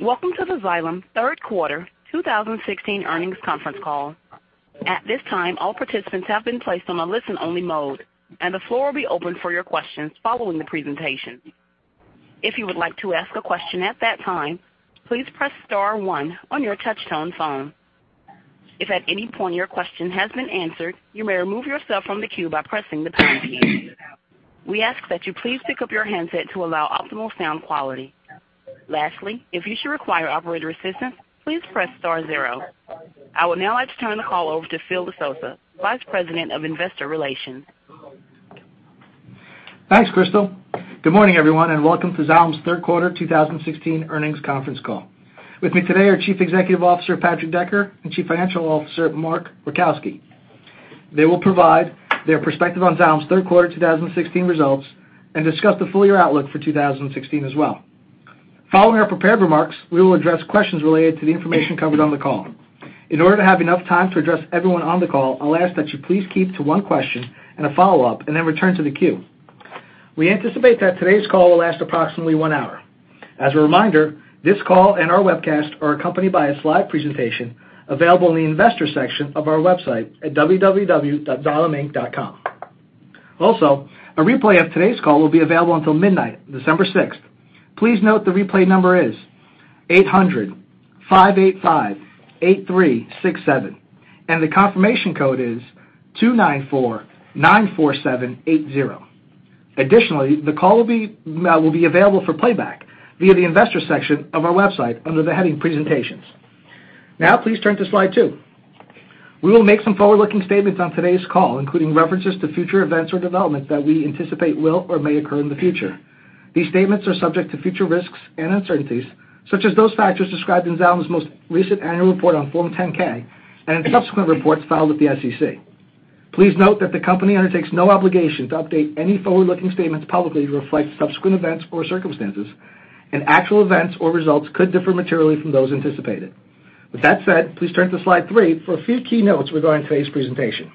Welcome to the Xylem third quarter 2016 earnings conference call. At this time, all participants have been placed on a listen-only mode, and the floor will be open for your questions following the presentation. If you would like to ask a question at that time, please press star one on your touch-tone phone. If at any point your question has been answered, you may remove yourself from the queue by pressing the pound key. We ask that you please pick up your handset to allow optimal sound quality. Lastly, if you should require operator assistance, please press star zero. I would now like to turn the call over to Phil DeSousa, Vice President of Investor Relations. Thanks, Crystal. Good morning, everyone, and welcome to Xylem's third quarter 2016 earnings conference call. With me today are Chief Executive Officer, Patrick Decker, and Chief Financial Officer, Mark Rajkowski. They will provide their perspective on Xylem's third quarter 2016 results and discuss the full-year outlook for 2016 as well. Following our prepared remarks, we will address questions related to the information covered on the call. In order to have enough time to address everyone on the call, I'll ask that you please keep to one question and a follow-up and then return to the queue. We anticipate that today's call will last approximately one hour. As a reminder, this call and our webcast are accompanied by a slide presentation available in the investor section of our website at www.xyleminc.com. Also, a replay of today's call will be available until midnight, December sixth. Please note the replay number is 800-585-8367, and the confirmation code is 29494780. Additionally, the call will be available for playback via the investor section of our website under the heading presentations. Now, please turn to slide two. We will make some forward-looking statements on today's call, including references to future events or developments that we anticipate will or may occur in the future. These statements are subject to future risks and uncertainties, such as those factors described in Xylem's most recent annual report on Form 10-K and in subsequent reports filed with the SEC. Please note that the company undertakes no obligation to update any forward-looking statements publicly to reflect subsequent events or circumstances, and actual events or results could differ materially from those anticipated. With that said, please turn to slide three for a few key notes regarding today's presentation.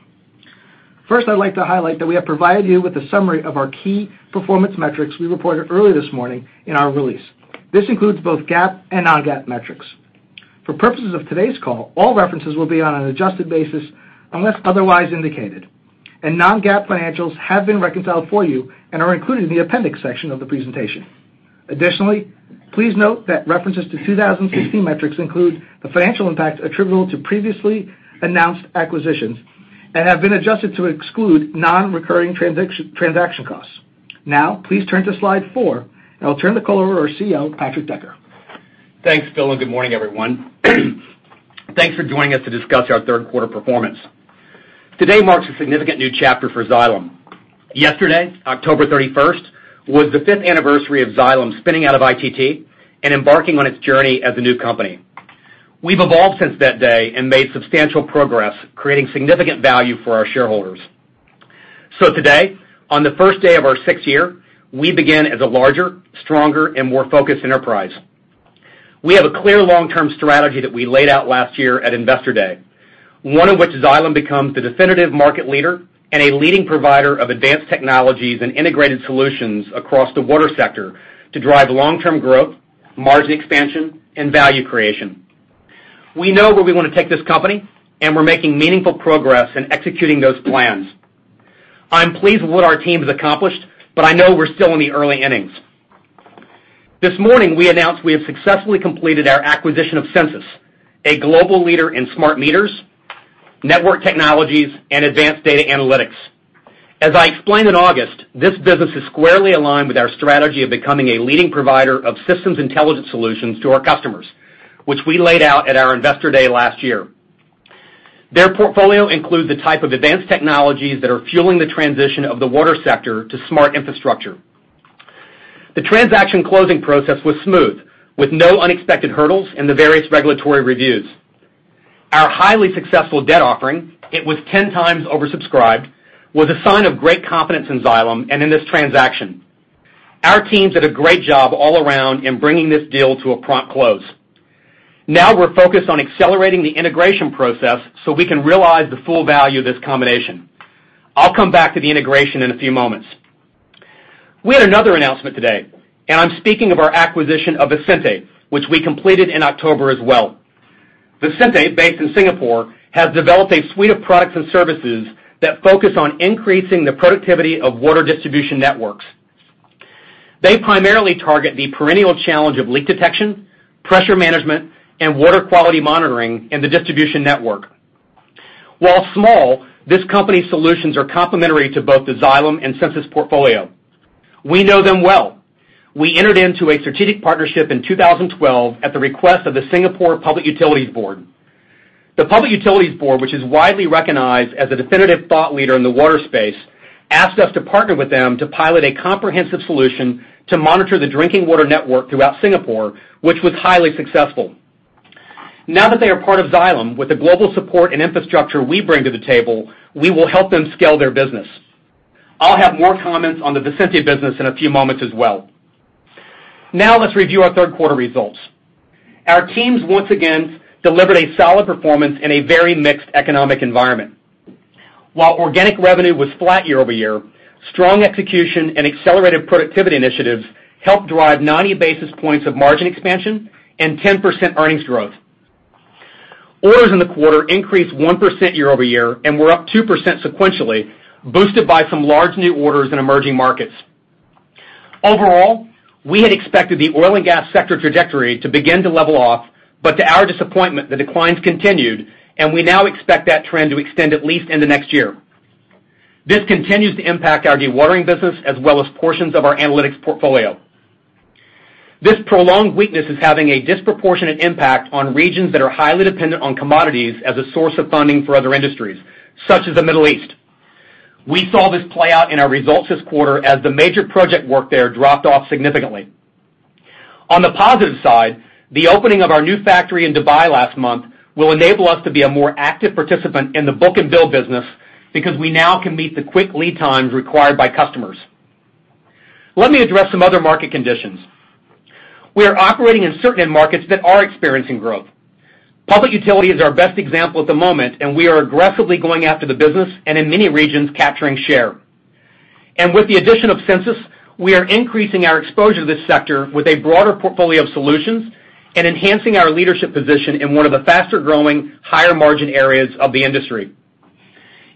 First, I'd like to highlight that we have provided you with a summary of our key performance metrics we reported early this morning in our release. This includes both GAAP and non-GAAP metrics. For purposes of today's call, all references will be on an adjusted basis unless otherwise indicated, and non-GAAP financials have been reconciled for you and are included in the appendix section of the presentation. Additionally, please note that references to 2016 metrics include the financial impact attributable to previously announced acquisitions and have been adjusted to exclude non-recurring transaction costs. Now, please turn to slide four, and I'll turn the call over to our CEO, Patrick Decker. Thanks, Phil, and good morning, everyone. Thanks for joining us to discuss our third quarter performance. Today marks a significant new chapter for Xylem. Yesterday, October 31st, was the fifth anniversary of Xylem spinning out of ITT and embarking on its journey as a new company. We've evolved since that day and made substantial progress, creating significant value for our shareholders. Today, on the first day of our sixth year, we begin as a larger, stronger, and more focused enterprise. We have a clear long-term strategy that we laid out last year at Investor Day. One of which is Xylem becomes the definitive market leader and a leading provider of advanced technologies and integrated solutions across the water sector to drive long-term growth, margin expansion, and value creation. We know where we want to take this company, and we're making meaningful progress in executing those plans. I'm pleased with what our team has accomplished, I know we're still in the early innings. This morning, we announced we have successfully completed our acquisition of Sensus, a global leader in smart meters, network technologies, and advanced data analytics. As I explained in August, this business is squarely aligned with our strategy of becoming a leading provider of systems intelligence solutions to our customers, which we laid out at our Investor Day last year. Their portfolio includes the type of advanced technologies that are fueling the transition of the water sector to smart infrastructure. The transaction closing process was smooth, with no unexpected hurdles in the various regulatory reviews. Our highly successful debt offering, it was 10 times oversubscribed, was a sign of great confidence in Xylem and in this transaction. Our teams did a great job all around in bringing this deal to a prompt close. We're focused on accelerating the integration process so we can realize the full value of this combination. I'll come back to the integration in a few moments. We had another announcement today, I'm speaking of our acquisition of Visenti, which we completed in October as well. Visenti, based in Singapore, has developed a suite of products and services that focus on increasing the productivity of water distribution networks. They primarily target the perennial challenge of leak detection, pressure management, and water quality monitoring in the distribution network. While small, this company's solutions are complementary to both the Xylem and Sensus portfolio. We know them well. We entered into a strategic partnership in 2012 at the request of the Singapore Public Utilities Board. The Public Utilities Board, which is widely recognized as the definitive thought leader in the water space, asked us to partner with them to pilot a comprehensive solution to monitor the drinking water network throughout Singapore, which was highly successful. That they are part of Xylem, with the global support and infrastructure we bring to the table, we will help them scale their business. I'll have more comments on the Visenti business in a few moments as well. Let's review our third quarter results. Our teams once again delivered a solid performance in a very mixed economic environment. While organic revenue was flat year-over-year, strong execution and accelerated productivity initiatives helped drive 90 basis points of margin expansion and 10% earnings growth. Orders in the quarter increased 1% year-over-year and were up 2% sequentially, boosted by some large new orders in emerging markets. Overall, we had expected the oil and gas sector trajectory to begin to level off, but to our disappointment, the declines continued, and we now expect that trend to extend at least into next year. This continues to impact our Dewatering business as well as portions of our analytics portfolio. This prolonged weakness is having a disproportionate impact on regions that are highly dependent on commodities as a source of funding for other industries, such as the Middle East. We saw this play out in our results this quarter as the major project work there dropped off significantly. On the positive side, the opening of our new factory in Dubai last month will enable us to be a more active participant in the book and bill business because we now can meet the quick lead times required by customers. Let me address some other market conditions. We are operating in certain end markets that are experiencing growth. Public Utilities is our best example at the moment. We are aggressively going after the business and in many regions, capturing share. With the addition of Sensus, we are increasing our exposure to this sector with a broader portfolio of solutions and enhancing our leadership position in one of the faster-growing, higher-margin areas of the industry.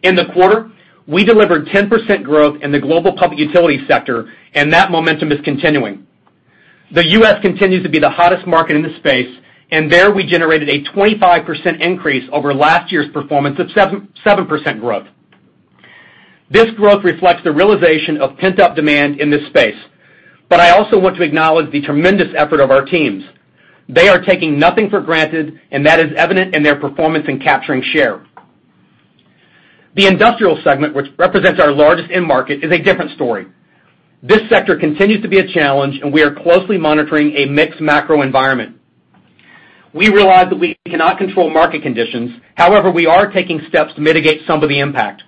In the quarter, we delivered 10% growth in the global Public Utilities sector, and that momentum is continuing. The U.S. continues to be the hottest market in the space. There we generated a 25% increase over last year's performance of 7% growth. This growth reflects the realization of pent-up demand in this space. I also want to acknowledge the tremendous effort of our teams. They are taking nothing for granted. That is evident in their performance in capturing share. The Industrial segment, which represents our largest end market, is a different story. This sector continues to be a challenge. We are closely monitoring a mixed macro environment. We realize that we cannot control market conditions. We are taking steps to mitigate some of the impact.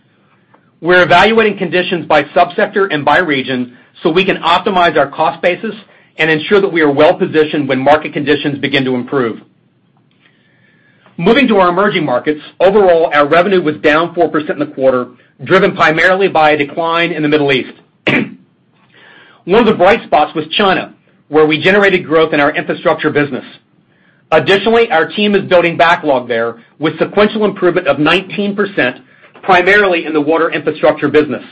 We're evaluating conditions by sub-sector and by region so we can optimize our cost basis and ensure that we are well-positioned when market conditions begin to improve. Moving to our emerging markets, overall, our revenue was down 4% in the quarter, driven primarily by a decline in the Middle East. One of the bright spots was China, where we generated growth in our Water Infrastructure business. Additionally, our team is building backlog there with sequential improvement of 19%, primarily in the Water Infrastructure business.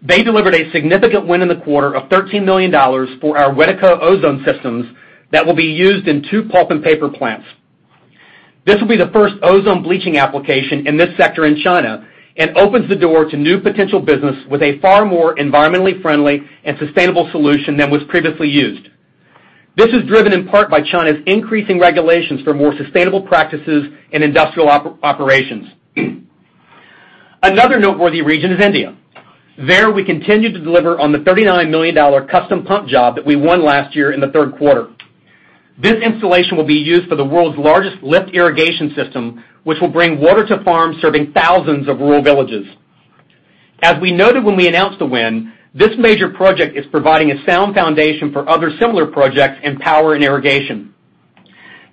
They delivered a significant win in the quarter of $13 million for our WEDECO ozone systems that will be used in two pulp and paper plants. This will be the first ozone bleaching application in this sector in China and opens the door to new potential business with a far more environmentally friendly and sustainable solution than was previously used. This is driven in part by China's increasing regulations for more sustainable practices in industrial operations. Another noteworthy region is India. There, we continue to deliver on the $39 million custom pump job that we won last year in the third quarter. This installation will be used for the world's largest lift irrigation system, which will bring water to farms serving thousands of rural villages. As we noted when we announced the win, this major project is providing a sound foundation for other similar projects in power and irrigation.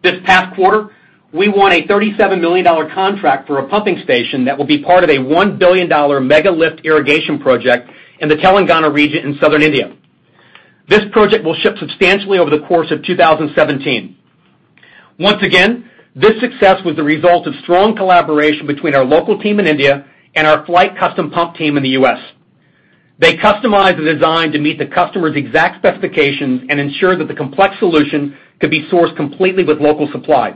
This past quarter, we won a $37 million contract for a pumping station that will be part of a $1 billion mega-lift irrigation project in the Telangana region in southern India. This project will ship substantially over the course of 2017. Once again, this success was the result of strong collaboration between our local team in India and our Flygt custom pump team in the U.S. They customized the design to meet the customer's exact specifications and ensure that the complex solution could be sourced completely with local supply.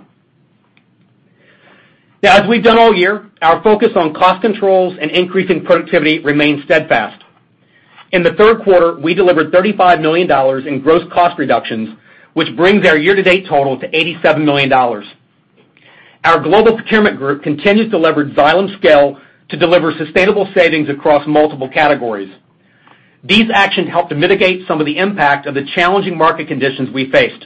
As we've done all year, our focus on cost controls and increasing productivity remains steadfast. In the third quarter, we delivered $35 million in gross cost reductions, which brings our year-to-date total to $87 million. Our global procurement group continues to leverage Xylem's scale to deliver sustainable savings across multiple categories. These actions help to mitigate some of the impact of the challenging market conditions we faced.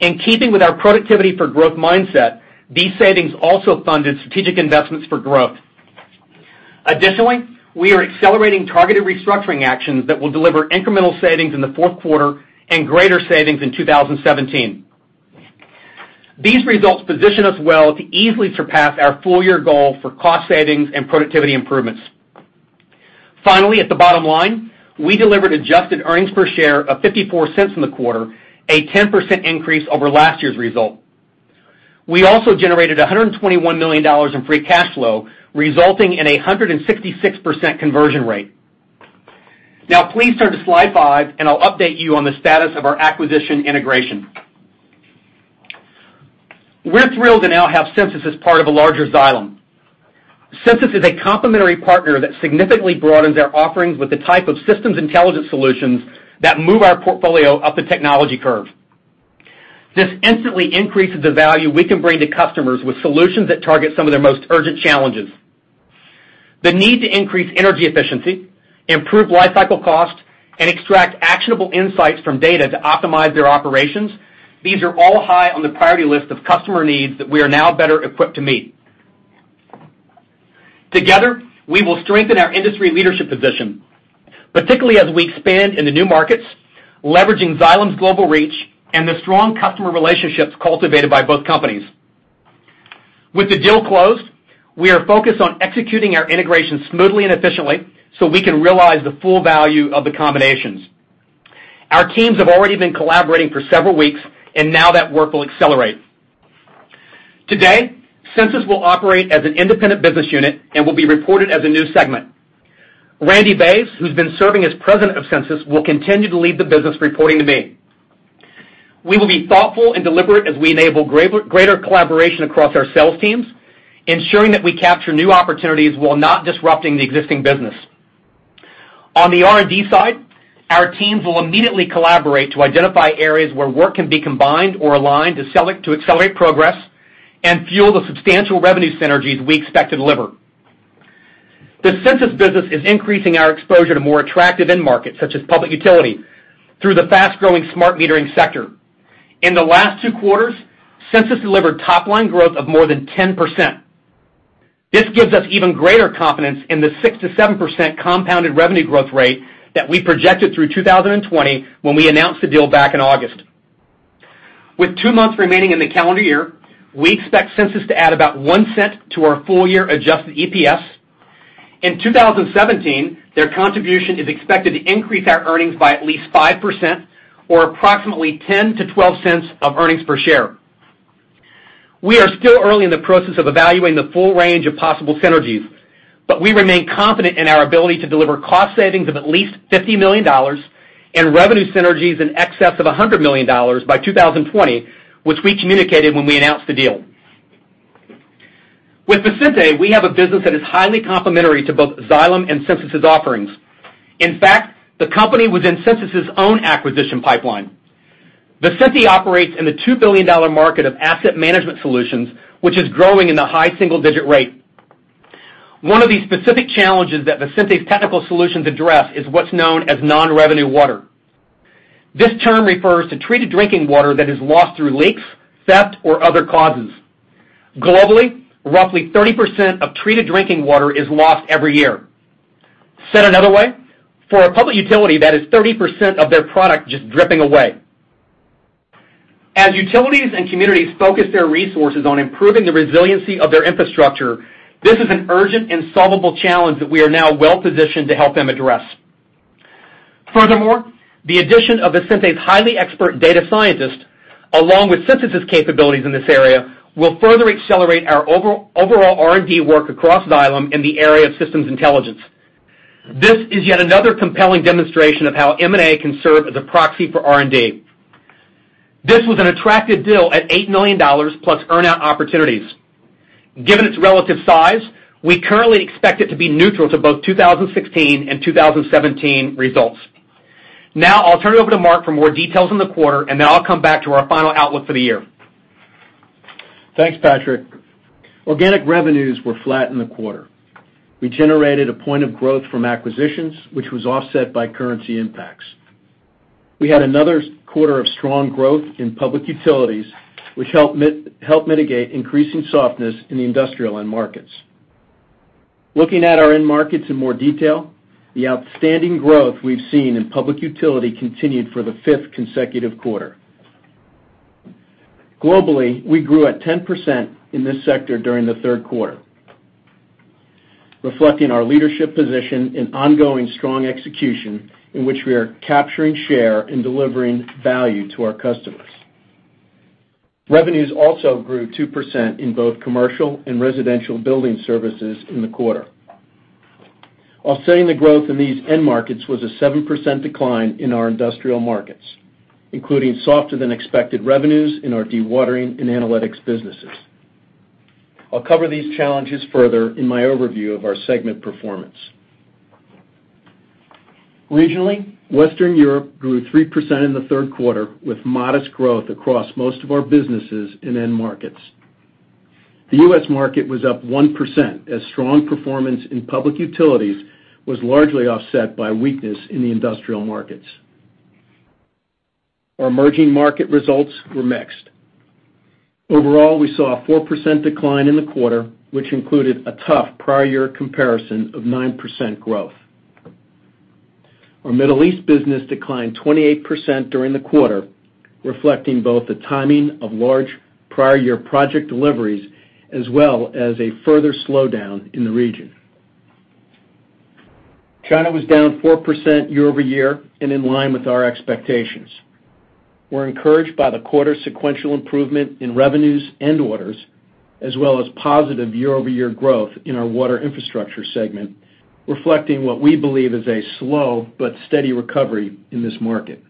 In keeping with our productivity for growth mindset, these savings also funded strategic investments for growth. Additionally, we are accelerating targeted restructuring actions that will deliver incremental savings in the fourth quarter and greater savings in 2017. These results position us well to easily surpass our full-year goal for cost savings and productivity improvements. Finally, at the bottom line, we delivered adjusted earnings per share of $0.54 in the quarter, a 10% increase over last year's result. We also generated $121 million in free cash flow, resulting in 166% conversion rate. Please turn to slide five, and I'll update you on the status of our acquisition integration. We're thrilled to now have Sensus as part of a larger Xylem. Sensus is a complementary partner that significantly broadens our offerings with the type of systems intelligence solutions that move our portfolio up the technology curve. This instantly increases the value we can bring to customers with solutions that target some of their most urgent challenges. The need to increase energy efficiency, improve lifecycle cost, and extract actionable insights from data to optimize their operations, these are all high on the priority list of customer needs that we are now better equipped to meet. Together, we will strengthen our industry leadership position. Particularly as we expand into new markets, leveraging Xylem's global reach and the strong customer relationships cultivated by both companies. With the deal closed, we are focused on executing our integration smoothly and efficiently so we can realize the full value of the combinations. Our teams have already been collaborating for several weeks, now that work will accelerate. Today, Sensus will operate as an independent business unit and will be reported as a new segment. Randy Bays, who's been serving as President of Sensus, will continue to lead the business, reporting to me. We will be thoughtful and deliberate as we enable greater collaboration across our sales teams, ensuring that we capture new opportunities while not disrupting the existing business. On the R&D side, our teams will immediately collaborate to identify areas where work can be combined or aligned to accelerate progress and fuel the substantial revenue synergies we expect to deliver. The Sensus business is increasing our exposure to more attractive end markets, such as public utility, through the fast-growing smart metering sector. In the last two quarters, Sensus delivered top-line growth of more than 10%. This gives us even greater confidence in the 6%-7% compounded revenue growth rate that we projected through 2020 when we announced the deal back in August. With two months remaining in the calendar year, we expect Sensus to add about $0.01 to our full-year adjusted EPS. In 2017, their contribution is expected to increase our earnings by at least 5% or approximately $0.10-$0.12 of earnings per share. We are still early in the process of evaluating the full range of possible synergies, but we remain confident in our ability to deliver cost savings of at least $50 million and revenue synergies in excess of $100 million by 2020, which we communicated when we announced the deal. With Visenti, we have a business that is highly complementary to both Xylem and Sensus' offerings. In fact, the company was in Sensus' own acquisition pipeline. Visenti operates in the $2 billion market of asset management solutions, which is growing in the high single-digit rate. One of the specific challenges that Visenti's technical solutions address is what's known as non-revenue water. This term refers to treated drinking water that is lost through leaks, theft, or other causes. Globally, roughly 30% of treated drinking water is lost every year. Said another way, for a public utility, that is 30% of their product just dripping away. As utilities and communities focus their resources on improving the resiliency of their infrastructure, this is an urgent and solvable challenge that we are now well-positioned to help them address. Furthermore, the addition of Visenti's highly expert data scientists, along with Sensus' capabilities in this area, will further accelerate our overall R&D work across Xylem in the area of systems intelligence. This is yet another compelling demonstration of how M&A can serve as a proxy for R&D. This was an attractive deal at $8 million plus earn-out opportunities. Given its relative size, we currently expect it to be neutral to both 2016 and 2017 results. I'll turn it over to Mark for more details on the quarter, and then I'll come back to our final outlook for the year. Thanks, Patrick. Organic revenues were flat in the quarter. We generated a point of growth from acquisitions, which was offset by currency impacts. We had another quarter of strong growth in public utilities, which helped mitigate increasing softness in the industrial end markets. Looking at our end markets in more detail, the outstanding growth we've seen in public utility continued for the fifth consecutive quarter. Globally, we grew at 10% in this sector during the third quarter, reflecting our leadership position and ongoing strong execution in which we are capturing share and delivering value to our customers. Revenues also grew 2% in both commercial and residential building services in the quarter. Offsetting the growth in these end markets was a 7% decline in our industrial markets, including softer-than-expected revenues in our Dewatering and analytics businesses. I'll cover these challenges further in my overview of our segment performance. Regionally, Western Europe grew 3% in the third quarter, with modest growth across most of our businesses and end markets. The U.S. market was up 1%, as strong performance in public utilities was largely offset by weakness in the industrial markets. Our emerging market results were mixed. Overall, we saw a 4% decline in the quarter, which included a tough prior year comparison of 9% growth. Our Middle East business declined 28% during the quarter, reflecting both the timing of large prior year project deliveries as well as a further slowdown in the region. China was down 4% year-over-year and in line with our expectations. We're encouraged by the quarter-sequential improvement in revenues and orders, as well as positive year-over-year growth in our Water Infrastructure segment, reflecting what we believe is a slow but steady recovery in this market.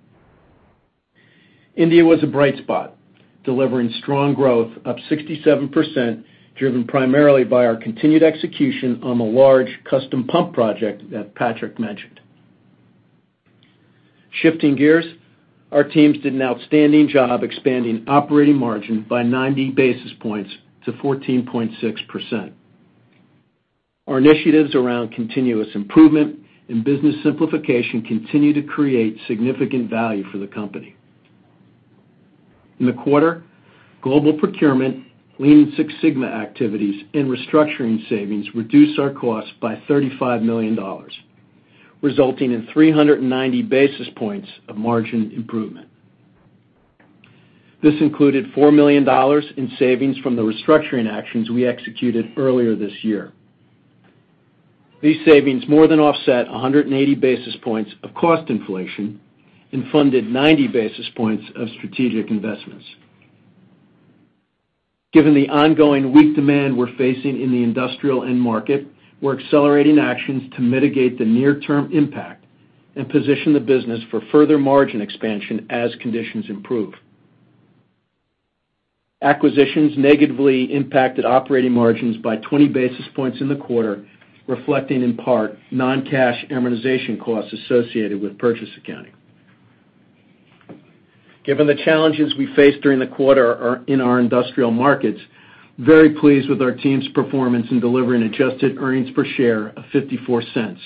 India was a bright spot, delivering strong growth up 67%, driven primarily by our continued execution on the large custom pump project that Patrick mentioned. Shifting gears, our teams did an outstanding job expanding operating margin by 90 basis points to 14.6%. Our initiatives around continuous improvement and business simplification continue to create significant value for the company. In the quarter, global procurement, Lean Six Sigma activities and restructuring savings reduced our costs by $35 million, resulting in 390 basis points of margin improvement. This included $4 million in savings from the restructuring actions we executed earlier this year. These savings more than offset 180 basis points of cost inflation and funded 90 basis points of strategic investments. Given the ongoing weak demand we're facing in the industrial end market, we're accelerating actions to mitigate the near-term impact and position the business for further margin expansion as conditions improve. Acquisitions negatively impacted operating margins by 20 basis points in the quarter, reflecting in part non-cash amortization costs associated with purchase accounting. Given the challenges we faced during the quarter in our industrial markets, very pleased with our team's performance in delivering adjusted earnings per share of $0.54,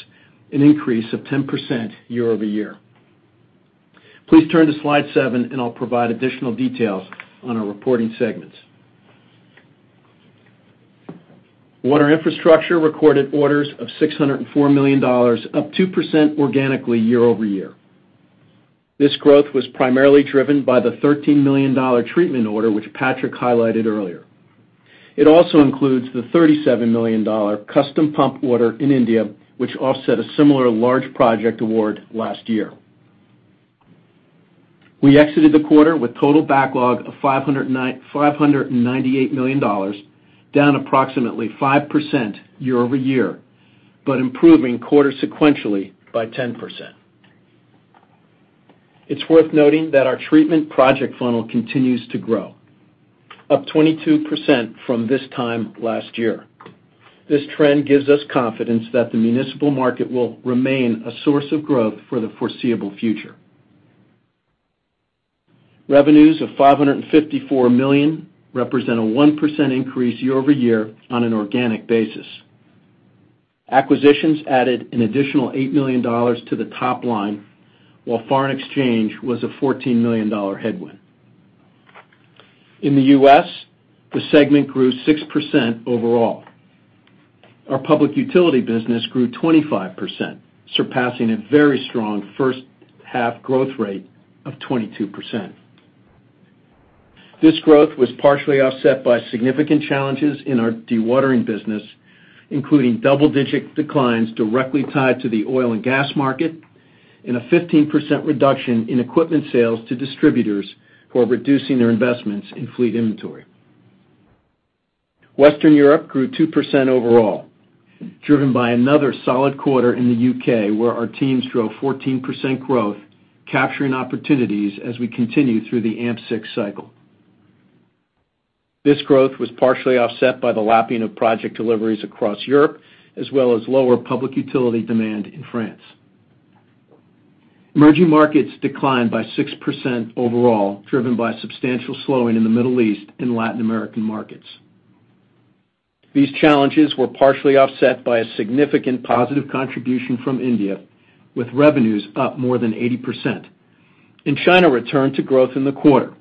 an increase of 10% year-over-year. Please turn to Slide Seven, and I'll provide additional details on our reporting segments. Water Infrastructure recorded orders of $604 million, up 2% organically year-over-year. This growth was primarily driven by the $13 million treatment order which Patrick highlighted earlier. It also includes the $37 million custom pump water in India, which offset a similar large project award last year. We exited the quarter with total backlog of $598 million, down approximately 5% year-over-year, but improving quarter-sequentially by 10%. It's worth noting that our treatment project funnel continues to grow, up 22% from this time last year. This trend gives us confidence that the municipal market will remain a source of growth for the foreseeable future. Revenues of $554 million represent a 1% increase year-over-year on an organic basis. Acquisitions added an additional $8 million to the top line, while foreign exchange was a $14 million headwind. In the U.S., the segment grew 6% overall. Our public utility business grew 25%, surpassing a very strong first-half growth rate of 22%. This growth was partially offset by significant challenges in our dewatering business, including double-digit declines directly tied to the oil and gas market and a 15% reduction in equipment sales to distributors who are reducing their investments in fleet inventory. Western Europe grew 2% overall, driven by another solid quarter in the U.K. where our teams drove 14% growth, capturing opportunities as we continue through the AMP6 cycle. This growth was partially offset by the lapping of project deliveries across Europe, as well as lower public utility demand in France. Emerging markets declined by 6% overall, driven by substantial slowing in the Middle East and Latin American markets. These challenges were partially offset by a significant positive contribution from India, with revenues up more than 80%. China returned to growth in the quarter,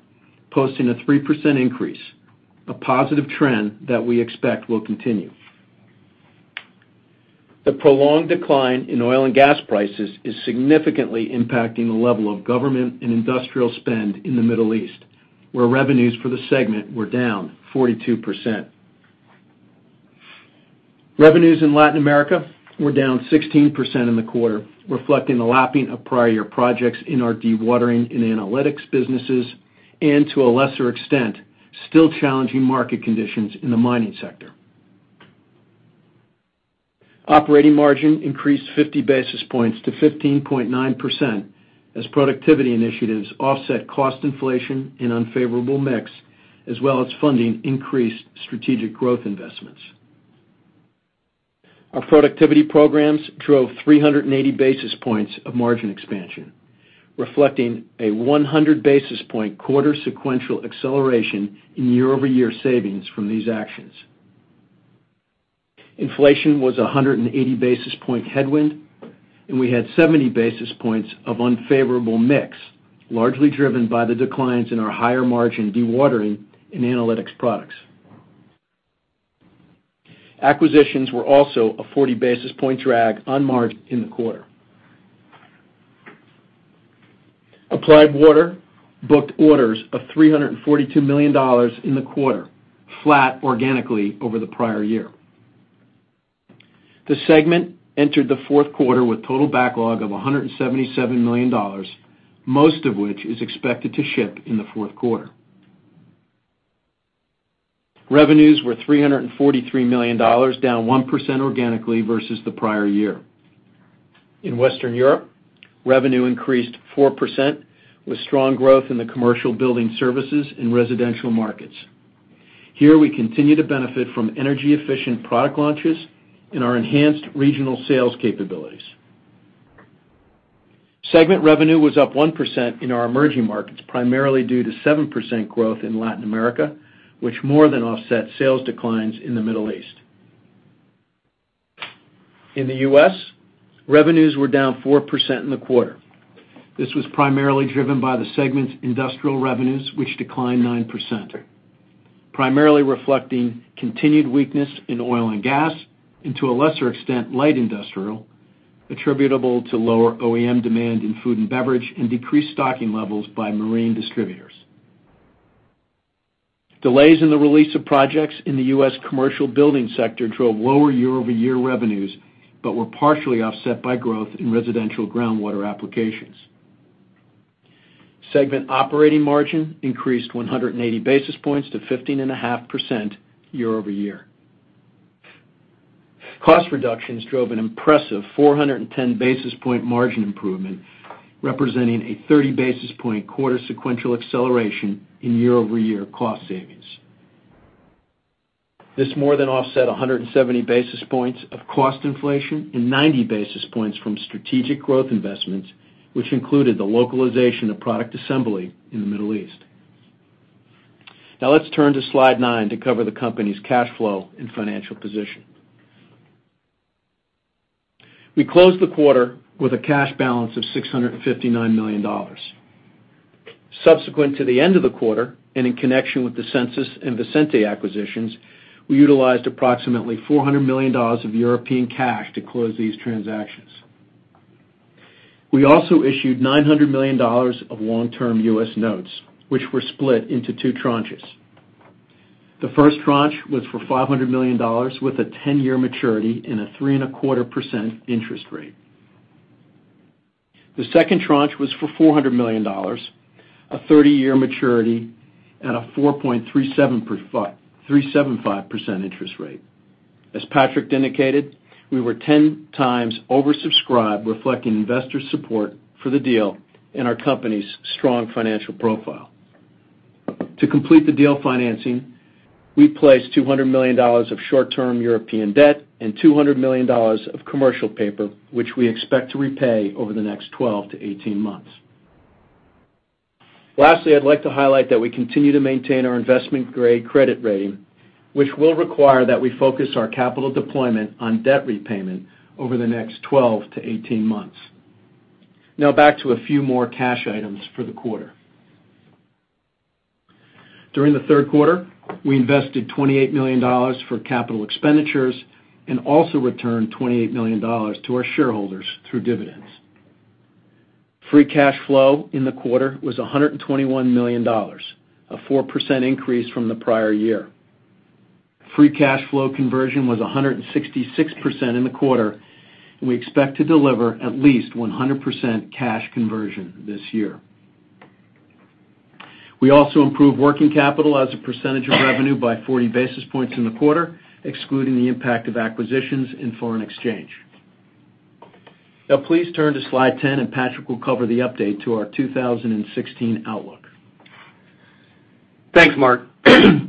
posting a 3% increase, a positive trend that we expect will continue. The prolonged decline in oil and gas prices is significantly impacting the level of government and industrial spend in the Middle East, where revenues for the segment were down 42%. Revenues in Latin America were down 16% in the quarter, reflecting the lapping of prior year projects in our dewatering and analytics businesses and, to a lesser extent, still challenging market conditions in the mining sector. Operating margin increased 50 basis points to 15.9% as productivity initiatives offset cost inflation and unfavorable mix, as well as funding increased strategic growth investments. Our productivity programs drove 380 basis points of margin expansion, reflecting a 100 basis point quarter sequential acceleration in year-over-year savings from these actions. Inflation was 180 basis point headwind, and we had 70 basis points of unfavorable mix, largely driven by the declines in our higher margin dewatering and analytics products. Acquisitions were also a 40 basis point drag on margin in the quarter. Applied Water booked orders of $342 million in the quarter, flat organically over the prior year. The segment entered the fourth quarter with total backlog of $177 million, most of which is expected to ship in the fourth quarter. Revenues were $343 million, down 1% organically versus the prior year. In Western Europe, revenue increased 4% with strong growth in the commercial building services and residential markets. Here, we continue to benefit from energy efficient product launches and our enhanced regional sales capabilities. Segment revenue was up 1% in our emerging markets, primarily due to 7% growth in Latin America, which more than offset sales declines in the Middle East. In the U.S., revenues were down 4% in the quarter. This was primarily driven by the segment's industrial revenues, which declined 9%, primarily reflecting continued weakness in oil and gas, and to a lesser extent, light industrial, attributable to lower OEM demand in food and beverage and decreased stocking levels by marine distributors. Delays in the release of projects in the U.S. commercial building sector drove lower year-over-year revenues, but were partially offset by growth in residential groundwater applications. Segment operating margin increased 180 basis points to 15.5% year-over-year. Cost reductions drove an impressive 410 basis point margin improvement, representing a 30 basis point quarter sequential acceleration in year-over-year cost savings. This more than offset 170 basis points of cost inflation and 90 basis points from strategic growth investments, which included the localization of product assembly in the Middle East. Now let's turn to slide nine to cover the company's cash flow and financial position. We closed the quarter with a cash balance of $659 million. Subsequent to the end of the quarter, and in connection with the Sensus and Visenti acquisitions, we utilized approximately $400 million of European cash to close these transactions. We also issued $900 million of long-term U.S. notes, which were split into two tranches. The first tranche was for $500 million with a 10-year maturity and a 3.25% interest rate. The second tranche was for $400 million, a 30-year maturity and a 4.375% interest rate. As Patrick indicated, we were 10 times oversubscribed, reflecting investor support for the deal and our company's strong financial profile. To complete the deal financing, we placed $200 million of short-term European debt and $200 million of commercial paper, which we expect to repay over the next 12 to 18 months. Lastly, I'd like to highlight that we continue to maintain our investment-grade credit rating, which will require that we focus our capital deployment on debt repayment over the next 12 to 18 months. Now back to a few more cash items for the quarter. During the third quarter, we invested $28 million for capital expenditures and also returned $28 million to our shareholders through dividends. Free cash flow in the quarter was $121 million, a 4% increase from the prior year. Free cash flow conversion was 166% in the quarter, and we expect to deliver at least 100% cash conversion this year. We also improved working capital as a percentage of revenue by 40 basis points in the quarter, excluding the impact of acquisitions and foreign exchange. Now please turn to slide 10 and Patrick will cover the update to our 2016 outlook. Thanks, Mark.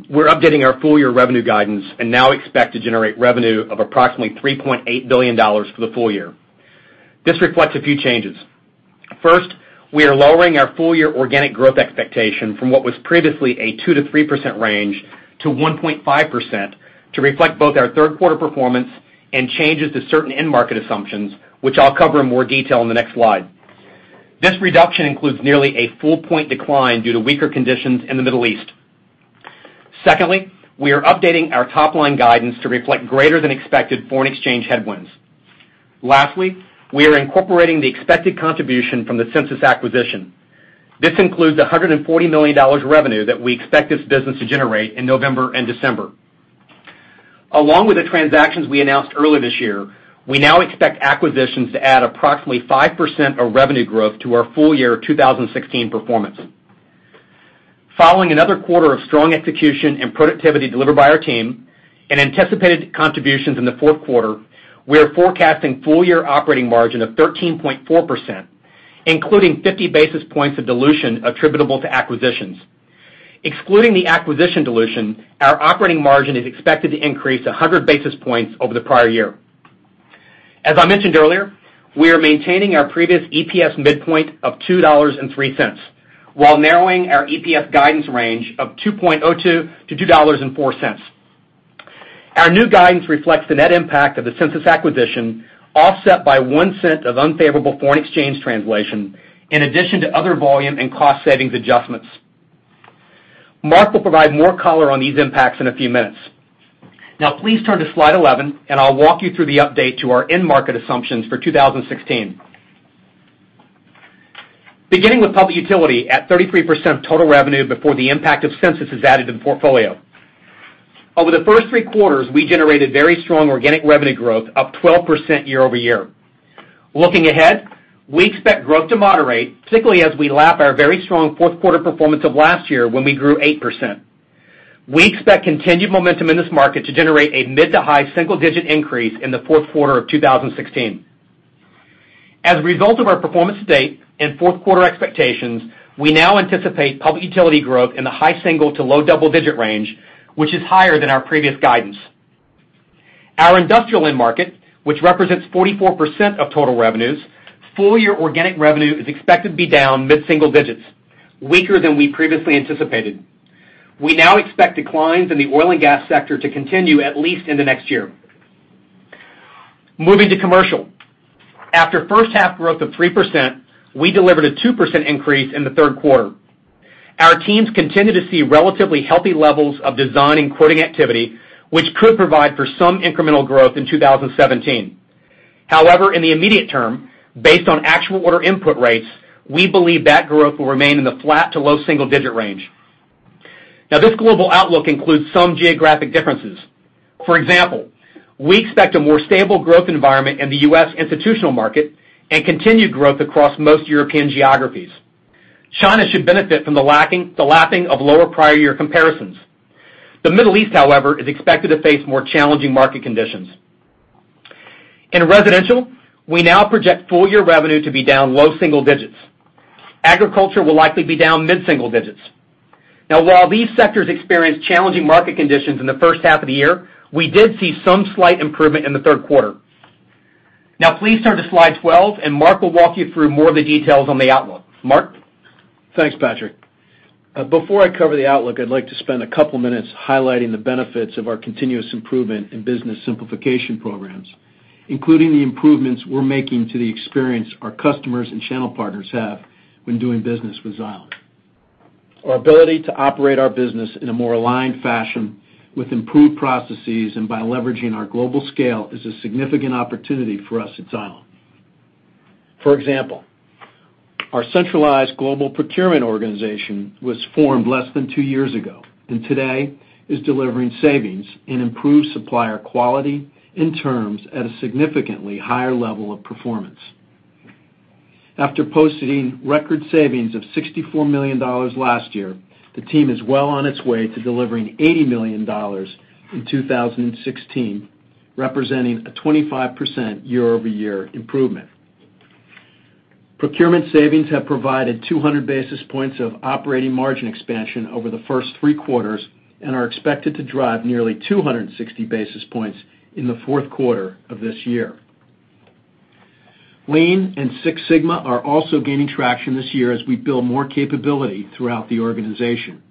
We're updating our full-year revenue guidance and now expect to generate revenue of approximately $3.8 billion for the full year. This reflects a few changes. First, we are lowering our full-year organic growth expectation from what was previously a 2%-3% range to 1.5% to reflect both our third quarter performance and changes to certain end market assumptions, which I'll cover in more detail in the next slide. This reduction includes nearly a full point decline due to weaker conditions in the Middle East. Secondly, we are updating our top-line guidance to reflect greater than expected foreign exchange headwinds. Lastly, we are incorporating the expected contribution from the Sensus acquisition. This includes $140 million revenue that we expect this business to generate in November and December. Along with the transactions we announced earlier this year, we now expect acquisitions to add approximately 5% of revenue growth to our full-year 2016 performance. Following another quarter of strong execution and productivity delivered by our team and anticipated contributions in the fourth quarter, we are forecasting full-year operating margin of 13.4%, including 50 basis points of dilution attributable to acquisitions. Excluding the acquisition dilution, our operating margin is expected to increase 100 basis points over the prior year. As I mentioned earlier, we are maintaining our previous EPS midpoint of $2.03 while narrowing our EPS guidance range of $2.02-$2.04. Our new guidance reflects the net impact of the Sensus acquisition, offset by $0.01 of unfavorable foreign exchange translation, in addition to other volume and cost-savings adjustments. Mark will provide more color on these impacts in a few minutes. Now, please turn to slide 11, and I'll walk you through the update to our end market assumptions for 2016. Beginning with Public Utility at 33% of total revenue before the impact of Sensus is added to the portfolio. Over the first three quarters, we generated very strong organic revenue growth, up 12% year-over-year. Looking ahead, we expect growth to moderate, particularly as we lap our very strong fourth quarter performance of last year when we grew 8%. We expect continued momentum in this market to generate a mid to high single-digit increase in the fourth quarter of 2016. As a result of our performance to date and fourth quarter expectations, we now anticipate Public Utility growth in the high single to low double-digit range, which is higher than our previous guidance. Our Industrial end market, which represents 44% of total revenues, full-year organic revenue is expected to be down mid-single digits, weaker than we previously anticipated. We now expect declines in the oil and gas sector to continue at least in the next year. Moving to Commercial. After first half growth of 3%, we delivered a 2% increase in the third quarter. Our teams continue to see relatively healthy levels of design and quoting activity, which could provide for some incremental growth in 2017. However, in the immediate term, based on actual order input rates, we believe that growth will remain in the flat to low single-digit range. Now, this global outlook includes some geographic differences. For example, we expect a more stable growth environment in the U.S. institutional market and continued growth across most European geographies. China should benefit from the lapping of lower prior year comparisons. The Middle East, however, is expected to face more challenging market conditions. In Residential, we now project full-year revenue to be down low single digits. Agriculture will likely be down mid-single digits. Now, while these sectors experienced challenging market conditions in the first half of the year, we did see some slight improvement in the third quarter. Now please turn to Slide 12, and Mark will walk you through more of the details on the outlook. Mark? Thanks, Patrick. Before I cover the outlook, I'd like to spend a couple minutes highlighting the benefits of our continuous improvement in business simplification programs, including the improvements we're making to the experience our customers and channel partners have when doing business with Xylem. Our ability to operate our business in a more aligned fashion with improved processes and by leveraging our global scale is a significant opportunity for us at Xylem. For example, our centralized global procurement organization was formed less than two years ago and today is delivering savings and improved supplier quality in terms at a significantly higher level of performance. After posting record savings of $64 million last year, the team is well on its way to delivering $80 million in 2016, representing a 25% year-over-year improvement. Procurement savings have provided 200 basis points of operating margin expansion over the first three quarters and are expected to drive nearly 260 basis points in the fourth quarter of this year. Lean Six Sigma are also gaining traction this year as we build more capability throughout the organization.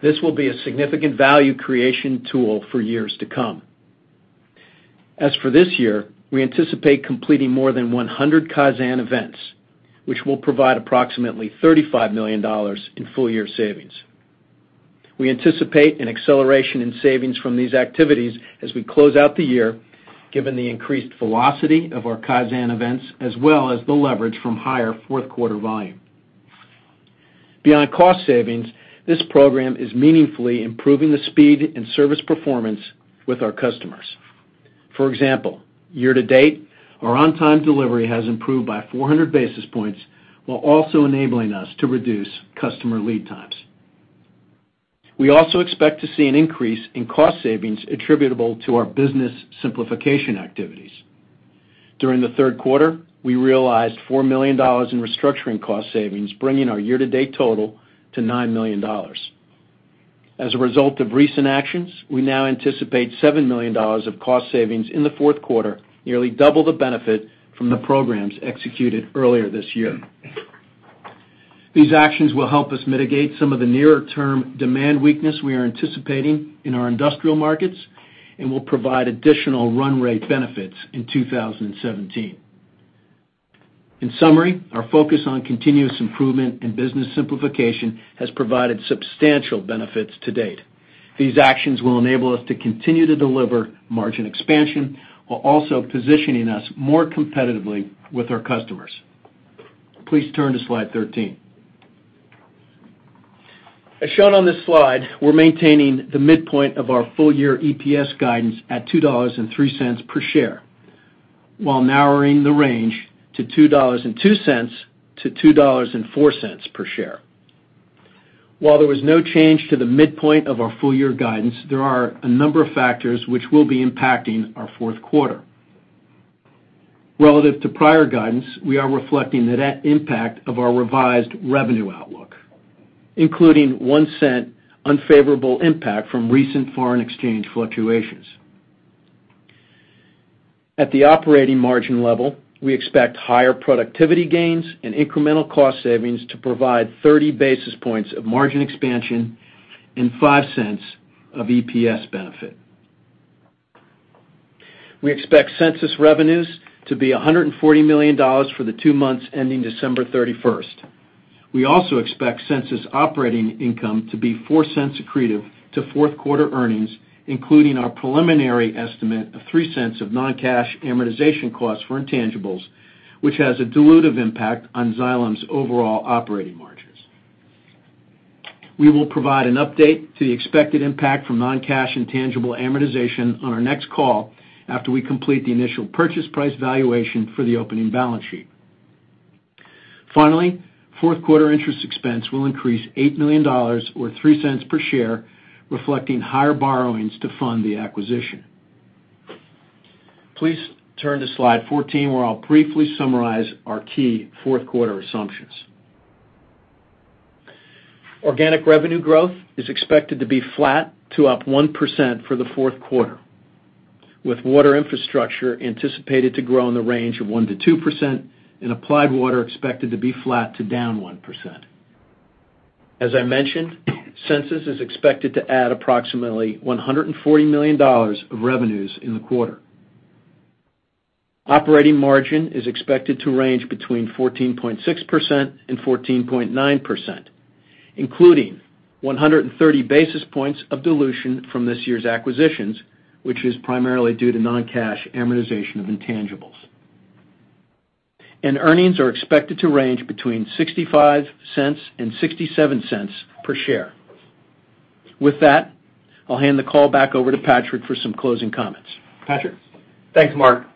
This will be a significant value creation tool for years to come. As for this year, we anticipate completing more than 100 Kaizen events, which will provide approximately $35 million in full year savings. We anticipate an acceleration in savings from these activities as we close out the year, given the increased velocity of our Kaizen events, as well as the leverage from higher fourth quarter volume. Beyond cost savings, this program is meaningfully improving the speed and service performance with our customers. For example, year to date, our on-time delivery has improved by 400 basis points, while also enabling us to reduce customer lead times. We also expect to see an increase in cost savings attributable to our business simplification activities. During the third quarter, we realized $4 million in restructuring cost savings, bringing our year-to-date total to $9 million. As a result of recent actions, we now anticipate $7 million of cost savings in the fourth quarter, nearly double the benefit from the programs executed earlier this year. These actions will help us mitigate some of the nearer term demand weakness we are anticipating in our industrial markets and will provide additional run rate benefits in 2017. In summary, our focus on continuous improvement in business simplification has provided substantial benefits to date. These actions will enable us to continue to deliver margin expansion, while also positioning us more competitively with our customers. Please turn to Slide 13. As shown on this slide, we're maintaining the midpoint of our full year EPS guidance at $2.03 per share while narrowing the range to $2.02-$2.04 per share. While there was no change to the midpoint of our full year guidance, there are a number of factors which will be impacting our fourth quarter. Relative to prior guidance, we are reflecting the net impact of our revised revenue outlook, including $0.01 unfavorable impact from recent foreign exchange fluctuations. At the operating margin level, we expect higher productivity gains and incremental cost savings to provide 30 basis points of margin expansion and $0.05 of EPS benefit. We expect Sensus revenues to be $140 million for the two months ending December 31st. We also expect Sensus operating income to be $0.04 accretive to fourth quarter earnings, including our preliminary estimate of $0.03 of non-cash amortization costs for intangibles, which has a dilutive impact on Xylem's overall operating margins. We will provide an update to the expected impact from non-cash intangible amortization on our next call after we complete the initial purchase price valuation for the opening balance sheet. Finally, fourth quarter interest expense will increase $8 million, or $0.03 per share, reflecting higher borrowings to fund the acquisition. Please turn to Slide 14, where I'll briefly summarize our key fourth quarter assumptions. Organic revenue growth is expected to be flat to up 1% for the fourth quarter. With Water Infrastructure anticipated to grow in the range of 1%-2%, and Applied Water expected to be flat to down 1%. As I mentioned, Sensus is expected to add approximately $140 million of revenues in the quarter. Operating margin is expected to range between 14.6% and 14.9%, including 130 basis points of dilution from this year's acquisitions, which is primarily due to non-cash amortization of intangibles. Earnings are expected to range between $0.65 and $0.67 per share. With that, I'll hand the call back over to Patrick for some closing comments. Patrick? Thanks, Mark.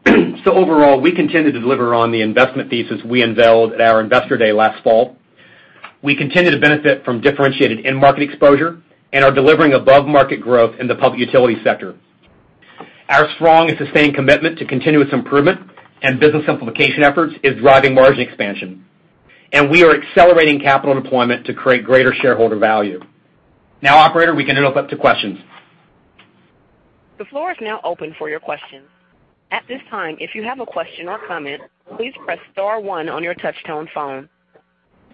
Overall, we continue to deliver on the investment thesis we unveiled at our Investor Day last fall. We continue to benefit from differentiated end market exposure and are delivering above-market growth in the public utility sector. Our strong and sustained commitment to continuous improvement and business simplification efforts is driving margin expansion. We are accelerating capital deployment to create greater shareholder value. Operator, we can open up to questions. The floor is now open for your questions. At this time, if you have a question or comment, please press star one on your touch-tone phone.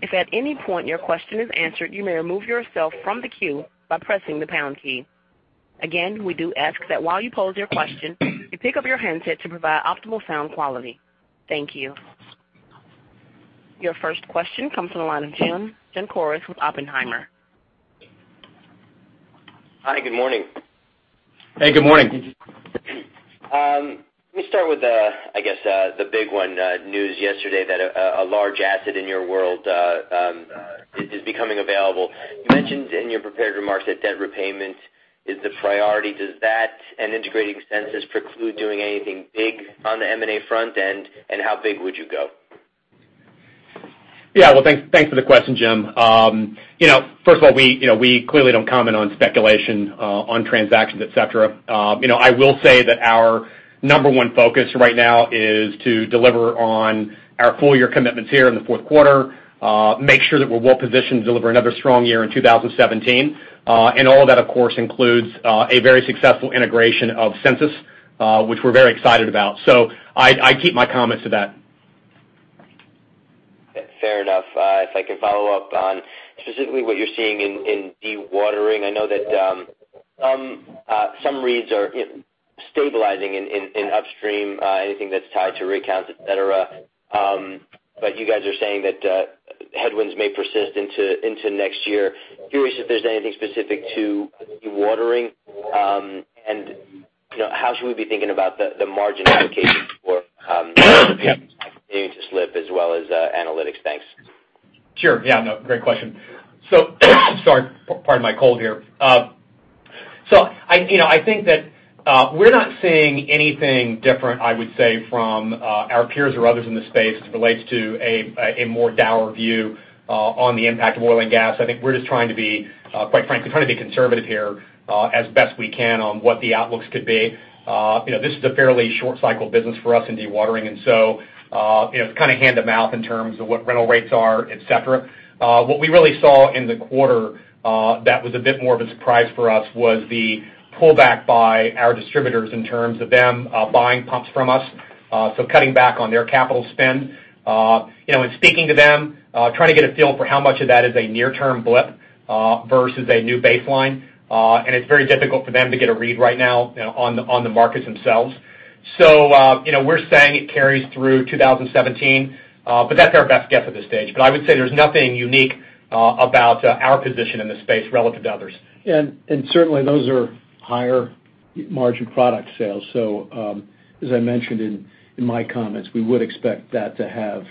If at any point your question is answered, you may remove yourself from the queue by pressing the pound key. Again, we do ask that while you pose your question, you pick up your handset to provide optimal sound quality. Thank you. Your first question comes from the line of Jim Corrid with Oppenheimer. Hi, good morning. Hey, good morning. Let me start with, I guess, the big one. News yesterday that a large asset in your world is becoming available. You mentioned in your prepared remarks that debt repayment is the priority. Does that and integrating Sensus preclude doing anything big on the M&A front end, and how big would you go? Well, thanks for the question, Jim. First of all, we clearly don't comment on speculation on transactions, et cetera. I will say that our number one focus right now is to deliver on our full-year commitments here in the fourth quarter, make sure that we're well-positioned to deliver another strong year in 2017. All of that, of course, includes a very successful integration of Sensus, which we're very excited about. I keep my comments to that. Fair enough. If I can follow up on specifically what you're seeing in dewatering. I know that some reads are stabilizing in upstream, anything that's tied to rig counts, et cetera. You guys are saying that headwinds may persist into next year. Curious if there's anything specific to dewatering, and how should we be thinking about the margin implications for continuing to slip as well as analytics? Thanks. Sure. Great question. Sorry. Pardon my cold here. I think that we're not seeing anything different, I would say, from our peers or others in the space as it relates to a more dour view on the impact of oil and gas. I think we're just trying to be, quite frankly, conservative here as best we can on what the outlooks could be. This is a fairly short cycle business for us in Dewatering and it's kind of hand-to-mouth in terms of what rental rates are, et cetera. What we really saw in the quarter that was a bit more of a surprise for us was the pullback by our distributors in terms of them buying pumps from us. Cutting back on their CapEx. In speaking to them, trying to get a feel for how much of that is a near-term blip versus a new baseline, it's very difficult for them to get a read right now on the markets themselves. We're saying it carries through 2017, that's our best guess at this stage. I would say there's nothing unique about our position in this space relative to others. Certainly, those are higher margin product sales. As I mentioned in my comments, we would expect that to have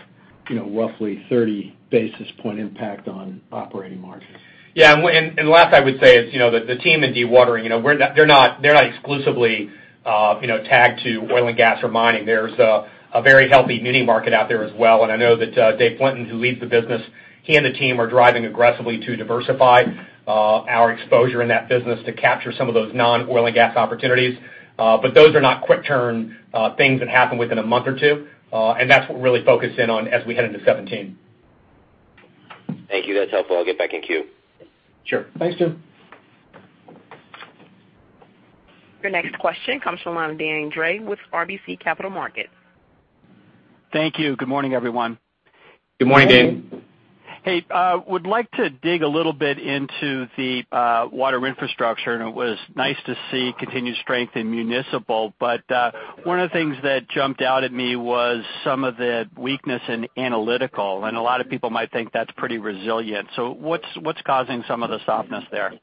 roughly 30 basis point impact on operating margins. Last I would say is, the team in Dewatering, they're not exclusively tagged to oil and gas or mining. There's a very healthy muni market out there as well, I know that Dave Flinton, who leads the business, he and the team are driving aggressively to diversify our exposure in that business to capture some of those non-oil and gas opportunities. Those are not quick turn things that happen within a month or two. That's what we're really focused in on as we head into 2017. Thank you. That's helpful. I'll get back in queue. Sure. Thanks, Jim. Your next question comes from the line of Deane Dray with RBC Capital Markets. Thank you. Good morning, everyone. Good morning, Deane. Would like to dig a little bit into the Water Infrastructure, it was nice to see continued strength in municipal, one of the things that jumped out at me was some of the weakness in analytics, a lot of people might think that's pretty resilient. What's causing some of the softness there?